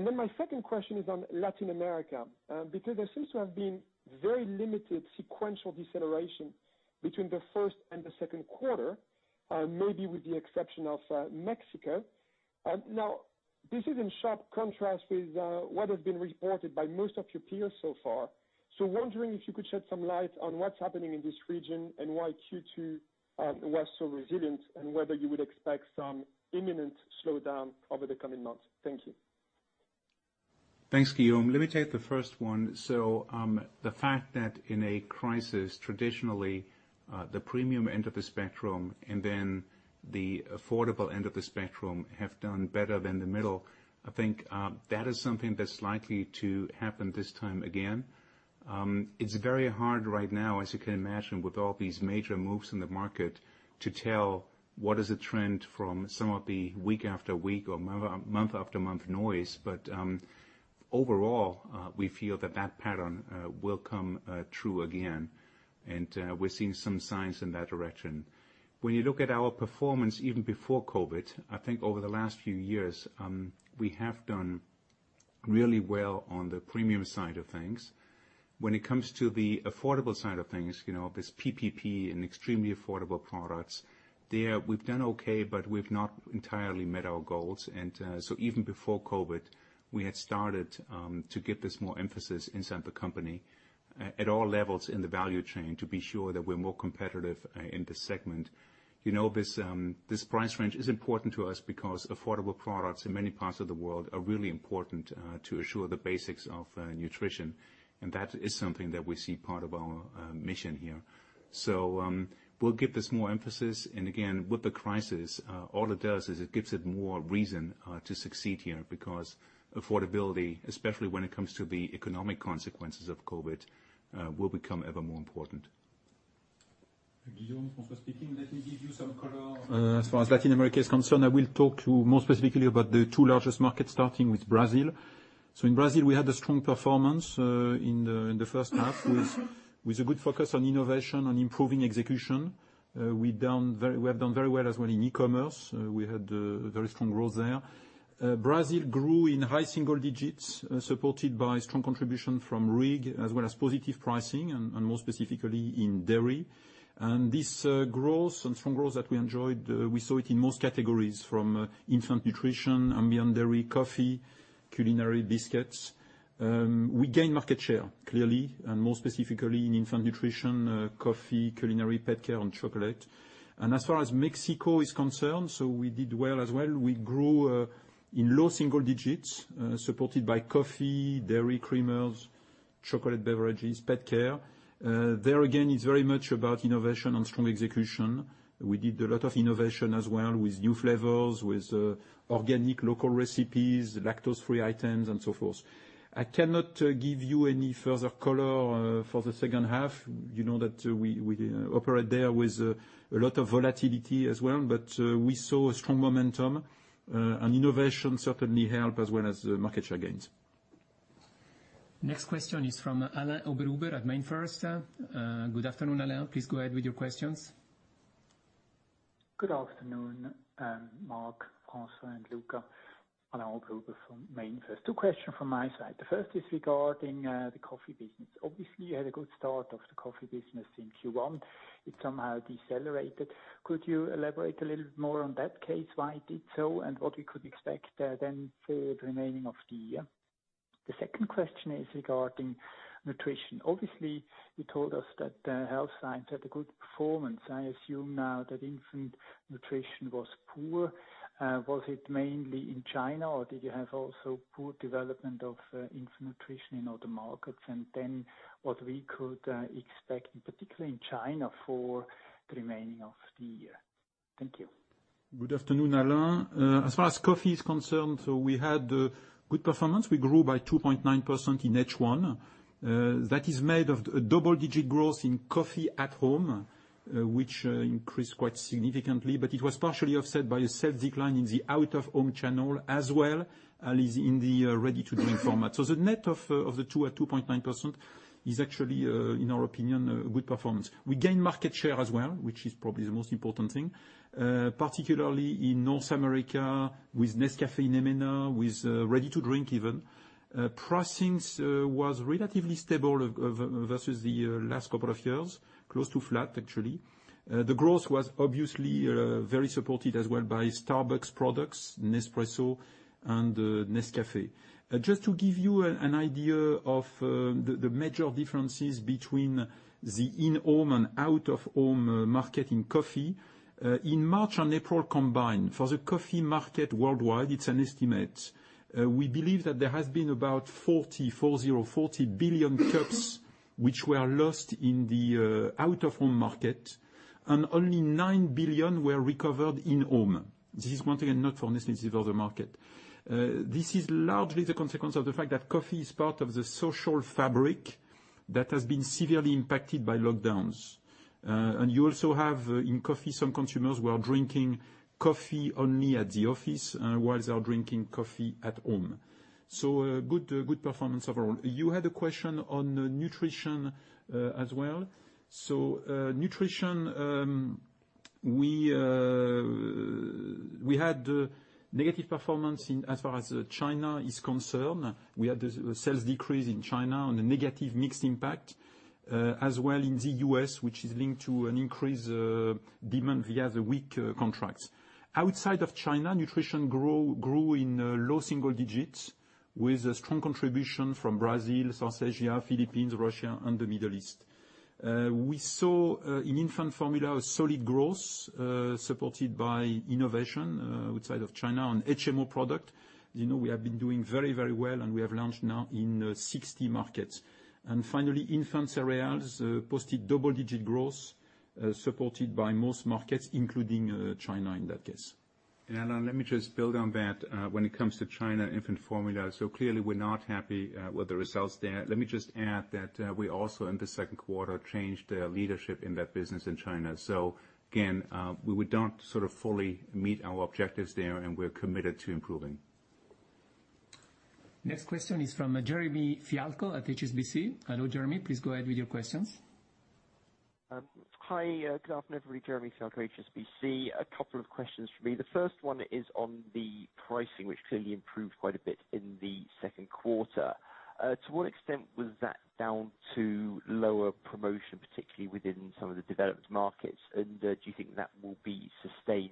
My second question is on Latin America, because there seems to have been very limited sequential deceleration between the first and the second quarter, maybe with the exception of Mexico. This is in sharp contrast with what has been reported by most of your peers so far. Wondering if you could shed some light on what's happening in this region and why Q2 was so resilient and whether you would expect some imminent slowdown over the coming months? Thank you. Thanks, Guillaume. Let me take the first one. The fact that in a crisis, traditionally, the premium end of the spectrum and then the affordable end of the spectrum have done better than the middle, I think that is something that's likely to happen this time again. It's very hard right now, as you can imagine, with all these major moves in the market, to tell what is a trend from some of the week after week or month after month noise. Overall, we feel that that pattern will come true again, and we're seeing some signs in that direction. When you look at our performance even before COVID-19, I think over the last few years, we have done really well on the premium side of things. When it comes to the affordable side of things, this PPP and extremely affordable products, there we've done okay, but we've not entirely met our goals. Even before COVID-19, we had started to give this more emphasis inside the company at all levels in the value chain to be sure that we're more competitive in this segment. This price range is important to us because affordable products in many parts of the world are really important to assure the basics of nutrition, and that is something that we see part of our mission here. We'll give this more emphasis, and again, with the crisis, all it does is it gives it more reason to succeed here because affordability, especially when it comes to the economic consequences of COVID, will become ever more important. Guillaume, François speaking. Let me give you some color. As far as Latin America is concerned, I will talk to you more specifically about the two largest markets, starting with Brazil. In Brazil, we had a strong performance in the first half with a good focus on innovation and improving execution. We have done very well as well in e-commerce. We had very strong growth there. Brazil grew in high single digits, supported by strong contribution from RIG as well as positive pricing, and more specifically in dairy. This strong growth that we enjoyed, we saw it in most categories from infant nutrition, ambient dairy, coffee, culinary biscuits. We gained market share, clearly, and more specifically in infant nutrition, coffee, culinary, PetCare, and chocolate. As far as Mexico is concerned, so we did well as well. We grew in low single digits, supported by coffee, dairy creamers, chocolate, beverages, PetCare. There again, it's very much about innovation and strong execution. We did a lot of innovation as well with new flavors, with organic local recipes, lactose-free items, and so forth. I cannot give you any further color for the second half. You know that we operate there with a lot of volatility as well, but we saw a strong momentum, and innovation certainly help as well as market share gains. Next question is from Alain Oberhuber at MainFirst. Good afternoon, Alain. Please go ahead with your questions. Good afternoon, Mark, François, and Luca. Alain Oberhuber from MainFirst. Two questions from my side. The first is regarding the coffee business. Obviously, you had a good start of the coffee business in Q1. It somehow decelerated. Could you elaborate a little bit more on that case, why it did so, and what we could expect then for the remaining of the year? The second question is regarding nutrition. Obviously, you told us that Health Science had a good performance. I assume now that infant nutrition was poor. Was it mainly in China, or did you have also poor development of infant nutrition in other markets? What we could expect, particularly in China, for the remaining of the year. Thank you. Good afternoon, Alain. As far as coffee is concerned, we had good performance. We grew by 2.9% in H1. That is made of a double-digit growth in coffee at home, which increased quite significantly, but it was partially offset by a sales decline in the out-of-home channel as well, at least in the ready-to-drink format. The net of the 2.9% is actually, in our opinion, a good performance. We gained market share as well, which is probably the most important thing, particularly in North America with Nescafé and EMENA, with ready-to-drink even. Pricings was relatively stable versus the last couple of years, close to flat, actually. The growth was obviously very supported as well by Starbucks products, Nespresso, and Nescafé. Just to give you an idea of the major differences between the in-home and out-of-home market in coffee. In March and April combined for the coffee market worldwide, it's an estimate, we believe that there has been about 40 billion cups which were lost in the out-of-home market and only nine billion were recovered in home. This is once again, not for Nestlé, this is the market. This is largely the consequence of the fact that coffee is part of the social fabric that has been severely impacted by lockdowns. You also have, in coffee, some consumers who are drinking coffee only at the office while they are drinking coffee at home. A good performance overall. You had a question on nutrition as well. Nutrition, we had negative performance as far as China is concerned. We had the sales decrease in China and a negative mixed impact, as well in the U.S., which is linked to an increased demand via the WIC contracts. Outside of China, nutrition grew in low single digits with a strong contribution from Brazil, South Asia, Philippines, Russia, and the Middle East. We saw in infant formula a solid growth, supported by innovation outside of China on HMO product. You know we have been doing very, very well, and we have launched now in 60 markets. Finally, infant cereals posted double-digit growth, supported by most markets, including China in that case. Alain, let me just build on that. When it comes to China infant formula, clearly we're not happy with the results there. Let me just add that we also, in the second quarter, changed leadership in that business in China. Again, we don't sort of fully meet our objectives there, and we're committed to improving. Next question is from Jeremy Fialko at HSBC. Hello, Jeremy. Please go ahead with your questions Hi, good afternoon, everybody. Jeremy Fialko, HSBC. A couple of questions from me. The first one is on the pricing, which clearly improved quite a bit in the second quarter. To what extent was that down to lower promotion, particularly within some of the developed markets? Do you think that will be sustained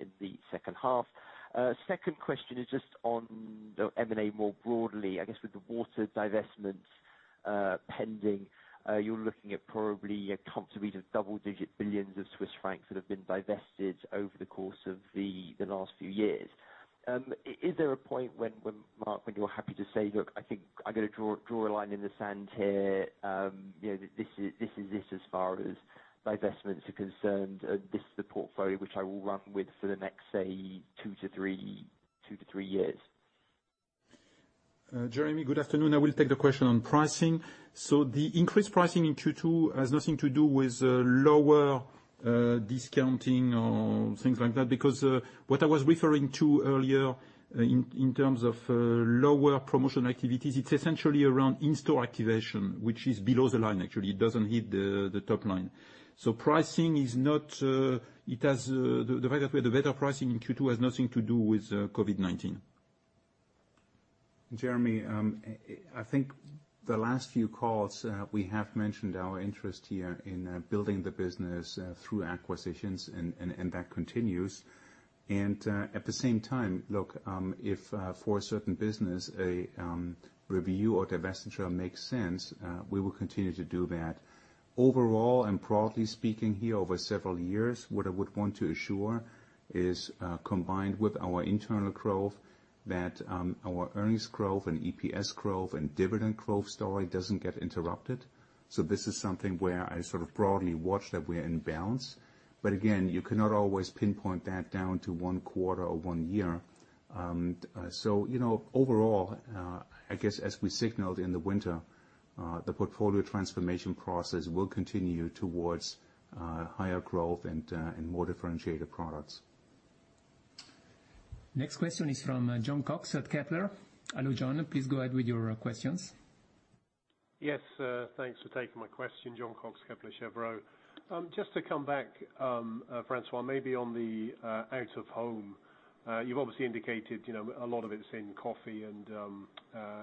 in the second half? Second question is just on the M&A more broadly. I guess with the water divestments pending, you're looking at probably a comfortably double-digit billions of Swiss franc that have been divested over the course of the last few years. Is there a point when, Mark, when you're happy to say, "Look, I think I'm going to draw a line in the sand here. This is as far as divestments are concerned. This is the portfolio which I will run with for the next, say, two to three years? Jeremy, good afternoon. I will take the question on pricing. The increased pricing in Q2 has nothing to do with lower discounting or things like that, because what I was referring to earlier in terms of lower promotion activities, it's essentially around in-store activation, which is below the line, actually. It doesn't hit the top line. Pricing, the way that we are better pricing in Q2 has nothing to do with COVID-19. Jeremy, I think the last few calls we have mentioned our interest here in building the business through acquisitions and that continues. At the same time, look, if for a certain business, a review or divestiture makes sense, we will continue to do that. Overall, broadly speaking here over several years, what I would want to assure is, combined with our internal growth, that our earnings growth and EPS growth and dividend growth story doesn't get interrupted. This is something where I sort of broadly watch that we're in balance. Again, you cannot always pinpoint that down to one quarter or one year. Overall, I guess as we signaled in the winter, the portfolio transformation process will continue towards higher growth and more differentiated products. Next question is from Jon Cox at Kepler. Hello, Jon, please go ahead with your questions. Yes, thanks for taking my question. Jon Cox, Kepler Cheuvreux. To come back, François, maybe on the out-of-home. You've obviously indicated a lot of it's in coffee and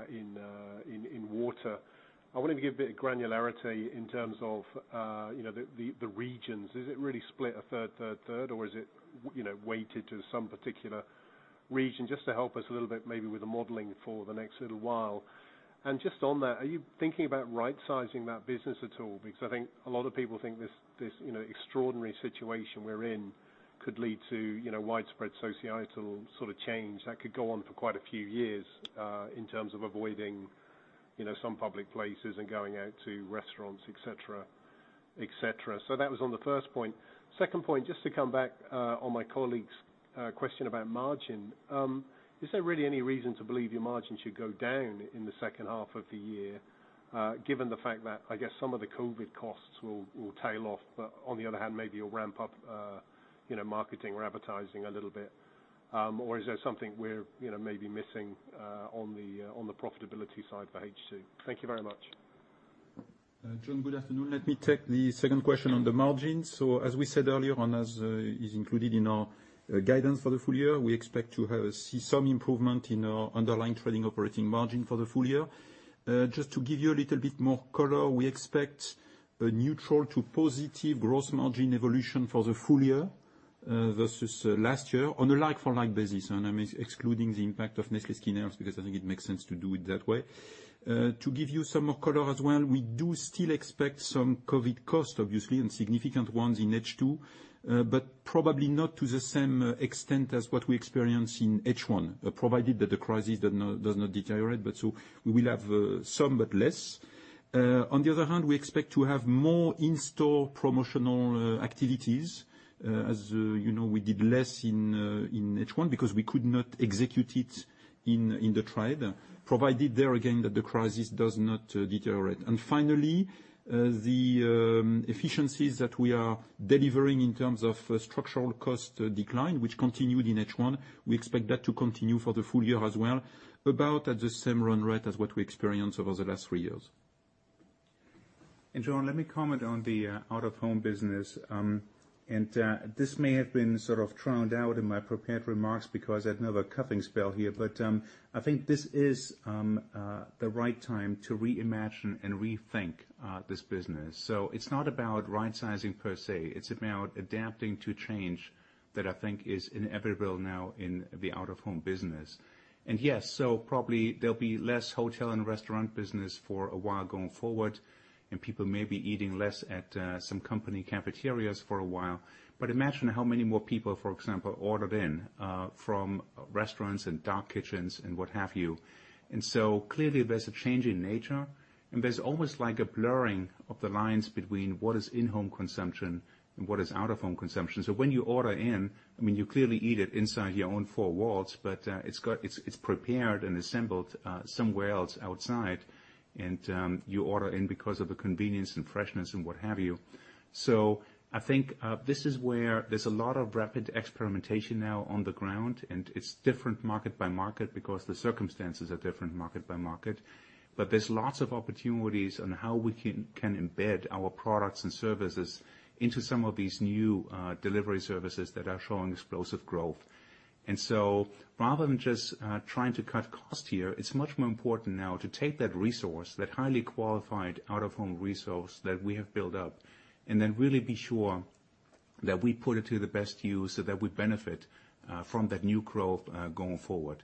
in water. I wanted to give a bit of granularity in terms of the regions. Is it really split a third, third, or is it weighted to some particular region? To help us a little bit maybe with the modeling for the next little while. On that, are you thinking about right-sizing that business at all? I think a lot of people think this extraordinary situation we're in could lead to widespread societal sort of change that could go on for quite a few years, in terms of avoiding some public places and going out to restaurants, et cetera. That was on the first point. Second point, just to come back on my colleague's question about margin. Is there really any reason to believe your margin should go down in the second half of the year, given the fact that, I guess some of the COVID costs will tail off, but on the other hand, maybe you'll ramp up marketing or advertising a little bit? Or is there something we're maybe missing on the profitability side for H2? Thank you very much. Jon, good afternoon. Let me take the second question on the margin. As we said earlier on, as is included in our guidance for the full year, we expect to see some improvement in our underlying trading operating margin for the full year. Just to give you a little bit more color, we expect a neutral to positive gross margin evolution for the full year versus last year on a like for like basis. I'm excluding the impact of Nestlé Skin Health because I think it makes sense to do it that way. To give you some more color as well, we do still expect some COVID costs, obviously, and significant ones in H2, but probably not to the same extent as what we experienced in H1, provided that the crisis does not deteriorate, but so we will have some, but less. On the other hand, we expect to have more in-store promotional activities. As you know, we did less in H1 because we could not execute it in the trade, provided there again, that the crisis does not deteriorate. Finally, the efficiencies that we are delivering in terms of structural cost decline, which continued in H1, we expect that to continue for the full year as well, about at the same run rate as what we experienced over the last three years. Jon, let me comment on the out-of-home business. This may have been sort of drowned out in my prepared remarks because I'd had another coughing spell here. I think this is the right time to reimagine and rethink this business. It's not about right-sizing per se. It's about adapting to change that I think is inevitable now in the out-of-home business. Yes, so probably there'll be less hotel and restaurant business for a while going forward, and people may be eating less at some company cafeterias for a while. Imagine how many more people, for example, ordered in from restaurants and dark kitchens and what have you. Clearly there's a change in nature, and there's almost like a blurring of the lines between what is in-home consumption and what is out-of-home consumption. When you order in, I mean, you clearly eat it inside your own four walls, but it's prepared and assembled somewhere else outside. You order in because of the convenience and freshness and what have you. I think this is where there's a lot of rapid experimentation now on the ground, and it's different market by market because the circumstances are different market by market. There's lots of opportunities on how we can embed our products and services into some of these new delivery services that are showing explosive growth. Rather than just trying to cut cost here, it's much more important now to take that resource, that highly qualified out-of-home resource that we have built up, and then really be sure that we put it to the best use so that we benefit from that new growth going forward.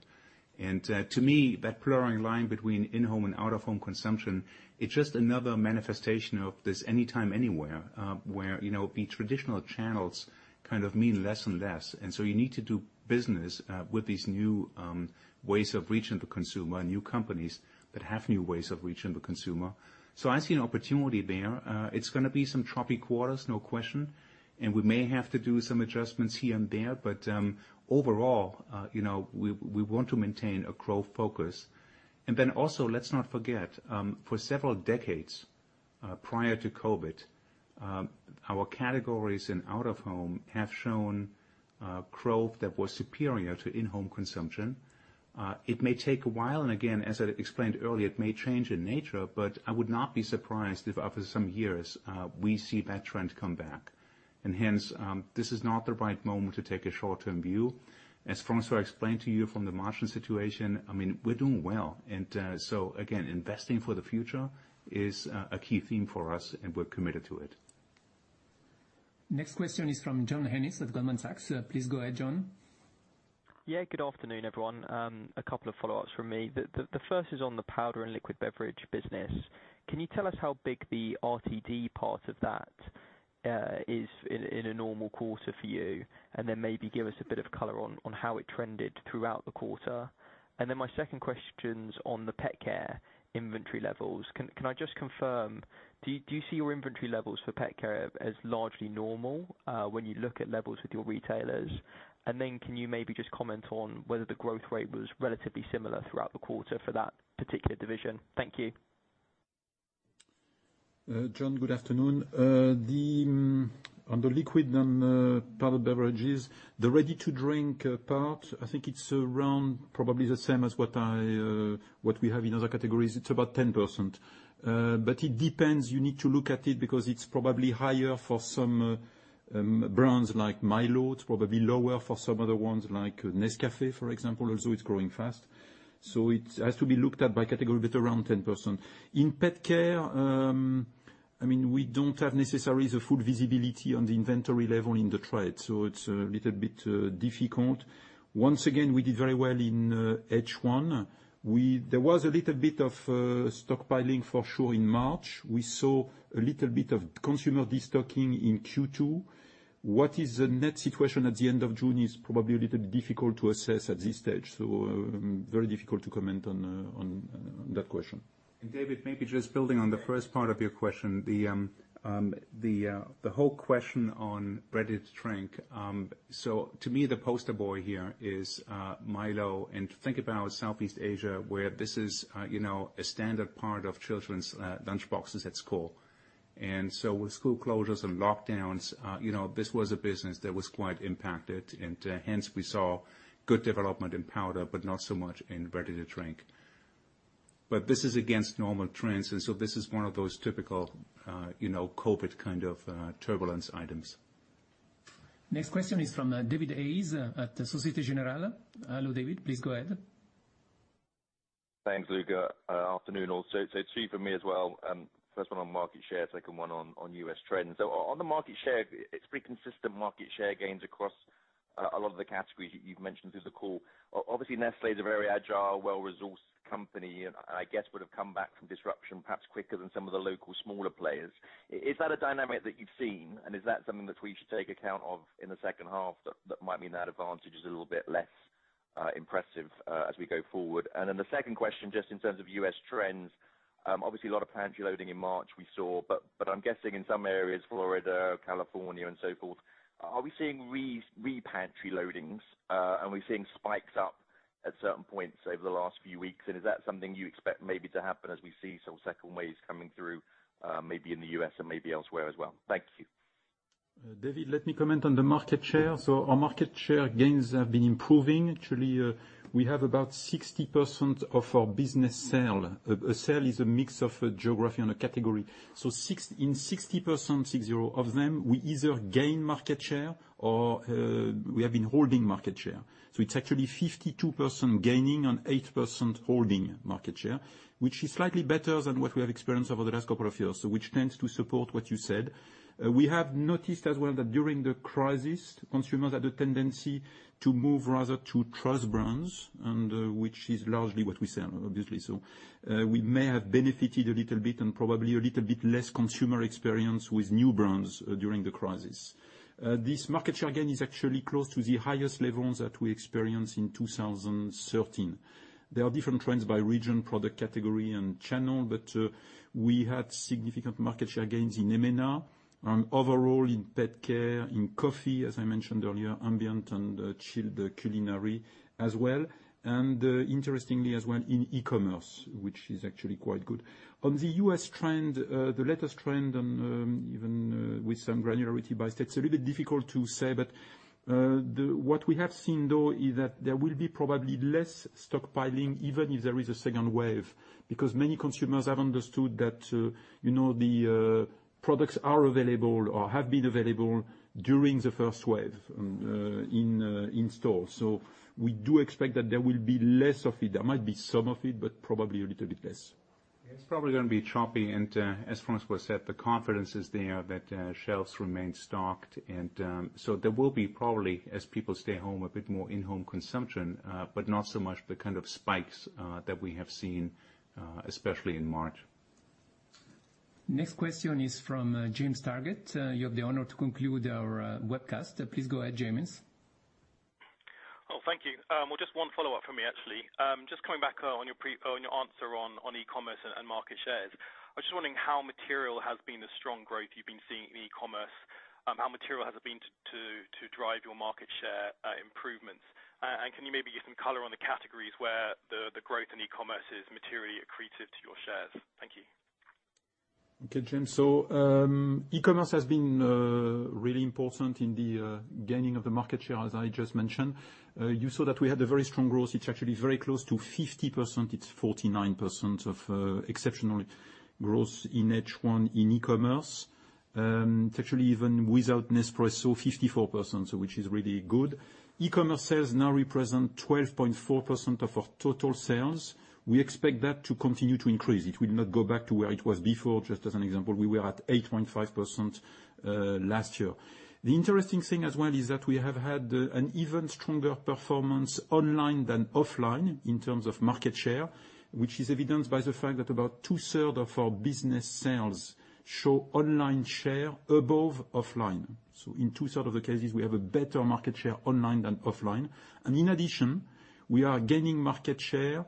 To me, that blurring line between in-home and out-of-home consumption, it's just another manifestation of this anytime, anywhere, where the traditional channels kind of mean less and less. You need to do business with these new ways of reaching the consumer, new companies that have new ways of reaching the consumer. I see an opportunity there. It's going to be some choppy quarters, no question, and we may have to do some adjustments here and there, but, overall, we want to maintain a growth focus. Also, let's not forget, for several decades, prior to COVID, our categories in out-of-home have shown growth that was superior to in-home consumption. It may take a while, and again, as I explained earlier, it may change in nature, but I would not be surprised if after some years, we see that trend come back. Hence, this is not the right moment to take a short-term view. As François explained to you from the margin situation, we're doing well. So again, investing for the future is a key theme for us, and we're committed to it. Next question is from John Ennis of Goldman Sachs. Please go ahead, John. Good afternoon, everyone. A couple of follow-ups from me. The first is on the powder and liquid beverage business. Can you tell us how big the RTD part of that is in a normal quarter for you? Maybe give us a bit of color on how it trended throughout the quarter. My second question's on the PetCare inventory levels. Can I just confirm, do you see your inventory levels for PetCare as largely normal when you look at levels with your retailers? Can you maybe just comment on whether the growth rate was relatively similar throughout the quarter for that particular division? Thank you. John, good afternoon. On the liquid and powder beverages, the ready-to-drink part, I think it's around probably the same as what we have in other categories. It's about 10%. It depends, you need to look at it, because it's probably higher for some brands like Milo. It's probably lower for some other ones like Nescafé, for example, although it's growing fast. It has to be looked at by category, but around 10%. In PetCare, we don't have necessarily the full visibility on the inventory level in the trade, so it's a little bit difficult. Once again, we did very well in H1. There was a little bit of stockpiling for sure in March. We saw a little bit of consumer destocking in Q2. What is the net situation at the end of June is probably a little difficult to assess at this stage. Very difficult to comment on that question. David, maybe just building on the first part of your question, the whole question on ready-to-drink. To me, the poster boy here is Milo. Think about Southeast Asia, where this is a standard part of children's lunchboxes at school. With school closures and lockdowns, this was a business that was quite impacted. Hence we saw good development in powder, but not so much in ready-to-drink. This is against normal trends, this is one of those typical COVID kind of turbulence items. Next question is from David Hayes at Société Générale. Hello, David. Please go ahead. Thanks, Luca. Afternoon, also. Two from me as well. First one on market share, second one on U.S. trends. On the market share, it's pretty consistent market share gains across a lot of the categories you've mentioned through the call. Obviously, Nestlé is a very agile, well-resourced company, and I guess would've come back from disruption perhaps quicker than some of the local smaller players. Is that a dynamic that you've seen, and is that something that we should take account of in the second half that might mean that advantage is a little bit less impressive as we go forward? The second question, just in terms of U.S. trends, obviously a lot of pantry loading in March we saw, but I'm guessing in some areas, Florida, California, and so forth, are we seeing re-pantry loadings, and are we seeing spikes up at certain points over the last few weeks? Is that something you expect maybe to happen as we see some second waves coming through, maybe in the U.S. and maybe elsewhere as well? Thank you. David, let me comment on the market share. Our market share gains have been improving. Actually, we have about 60% of our business cell. A cell is a mix of a geography and a category. In 60%, 60, of them, we either gain market share or we have been holding market share. It's actually 52% gaining and 8% holding market share, which is slightly better than what we have experienced over the last couple of years. Which tends to support what you said. We have noticed as well that during the crisis, consumers had a tendency to move rather to trust brands, and which is largely what we sell, obviously. We may have benefited a little bit and probably a little bit less consumer experience with new brands during the crisis. This market share gain is actually close to the highest levels that we experienced in 2013. There are different trends by region, product category, and channel. We had significant market share gains in EMENA, overall in PetCare, in coffee, as I mentioned earlier, ambient and chilled culinary as well. Interestingly as well, in e-commerce, which is actually quite good. On the U.S. trend, the latest trend on even with some granularity by state, it's a little bit difficult to say, but what we have seen though is that there will be probably less stockpiling, even if there is a second wave. Because many consumers have understood that the products are available or have been available during the first wave in stores. We do expect that there will be less of it. There might be some of it, but probably a little bit less. It's probably going to be choppy, and as François said, the confidence is there that shelves remain stocked. There will be probably, as people stay home, a bit more in-home consumption, but not so much the kind of spikes that we have seen, especially in March. Next question is from James Targett. You have the honor to conclude our webcast. Please go ahead, James. Oh, thank you. Well, just one follow-up from me, actually. Just coming back on your answer on e-commerce and market shares, I was just wondering how material has been the strong growth you've been seeing in e-commerce, how material has it been to drive your market share improvements? Can you maybe give some color on the categories where the growth in e-commerce is materially accretive to your shares? Thank you. Okay, James. E-commerce has been really important in the gaining of the market share, as I just mentioned. You saw that we had a very strong growth. It's actually very close to 50%. It's 49% of exceptional growth in H1 in e-commerce. It's actually even without Nespresso, 54%, which is really good. E-commerce sales now represent 12.4% of our total sales. We expect that to continue to increase. It will not go back to where it was before. Just as an example, we were at 8.5% last year. The interesting thing as well is that we have had an even stronger performance online than offline in terms of market share, which is evidenced by the fact that about 2/3 of our business sales show online share above offline. In 2/3 of the cases, we have a better market share online than offline. In addition, we are gaining market share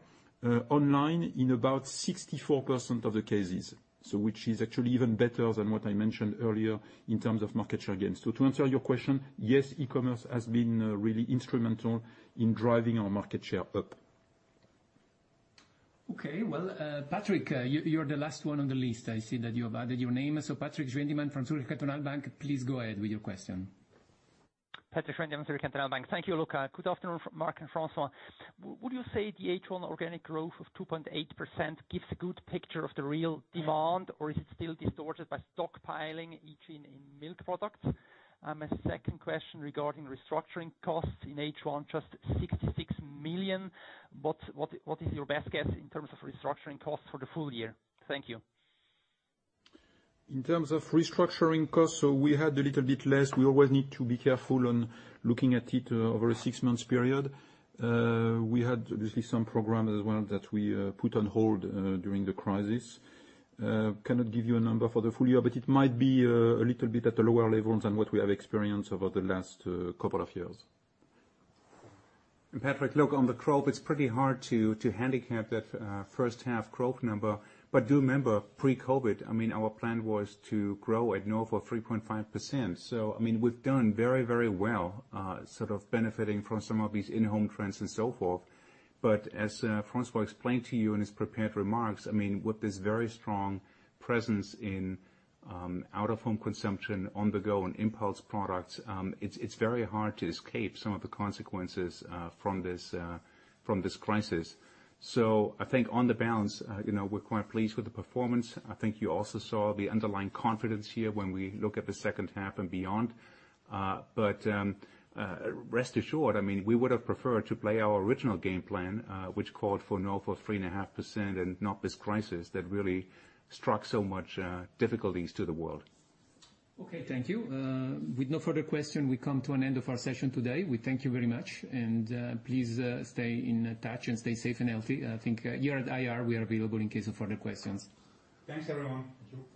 online in about 64% of the cases. Which is actually even better than what I mentioned earlier in terms of market share gains. To answer your question, yes, e-commerce has been really instrumental in driving our market share up. Okay. Well, Patrik, you're the last one on the list. I see that you have added your name. Patrik Schwendimann from Zurich Cantonal Bank, please go ahead with your question. Patrik Schwendimann, Zurich Cantonal Bank. Thank you, Luca. Good afternoon, Mark and François. Would you say the H1 organic growth of 2.8% gives a good picture of the real demand, or is it still distorted by stockpiling, each in milk products? My second question regarding restructuring costs in H1, just 66 million. What is your best guess in terms of restructuring costs for the full year? Thank you. In terms of restructuring costs, we had a little bit less. We always need to be careful on looking at it over a six-month period. We had obviously some program as well that we put on hold during the crisis. Cannot give you a number for the full year, but it might be a little bit at the lower levels than what we have experienced over the last couple of years. Patrik, look, on the growth, it's pretty hard to handicap that first half growth number. Do remember, pre-COVID, our plan was to grow at north of 3.5%. We've done very, very well sort of benefiting from some of these in-home trends and so forth. As François explained to you in his prepared remarks, with this very strong presence in out-of-home consumption, on-the-go, and impulse products, it's very hard to escape some of the consequences from this crisis. I think on the balance, we're quite pleased with the performance. I think you also saw the underlying confidence here when we look at the second half and beyond. Rest assured, we would have preferred to play our original game plan, which called for north of 3.5% and not this crisis that really struck so much difficulties to the world. Okay, thank you. With no further question, we come to an end of our session today. We thank you very much, and please stay in touch and stay safe and healthy. I think here at IR, we are available in case of further questions. Thanks, everyone. Thank you.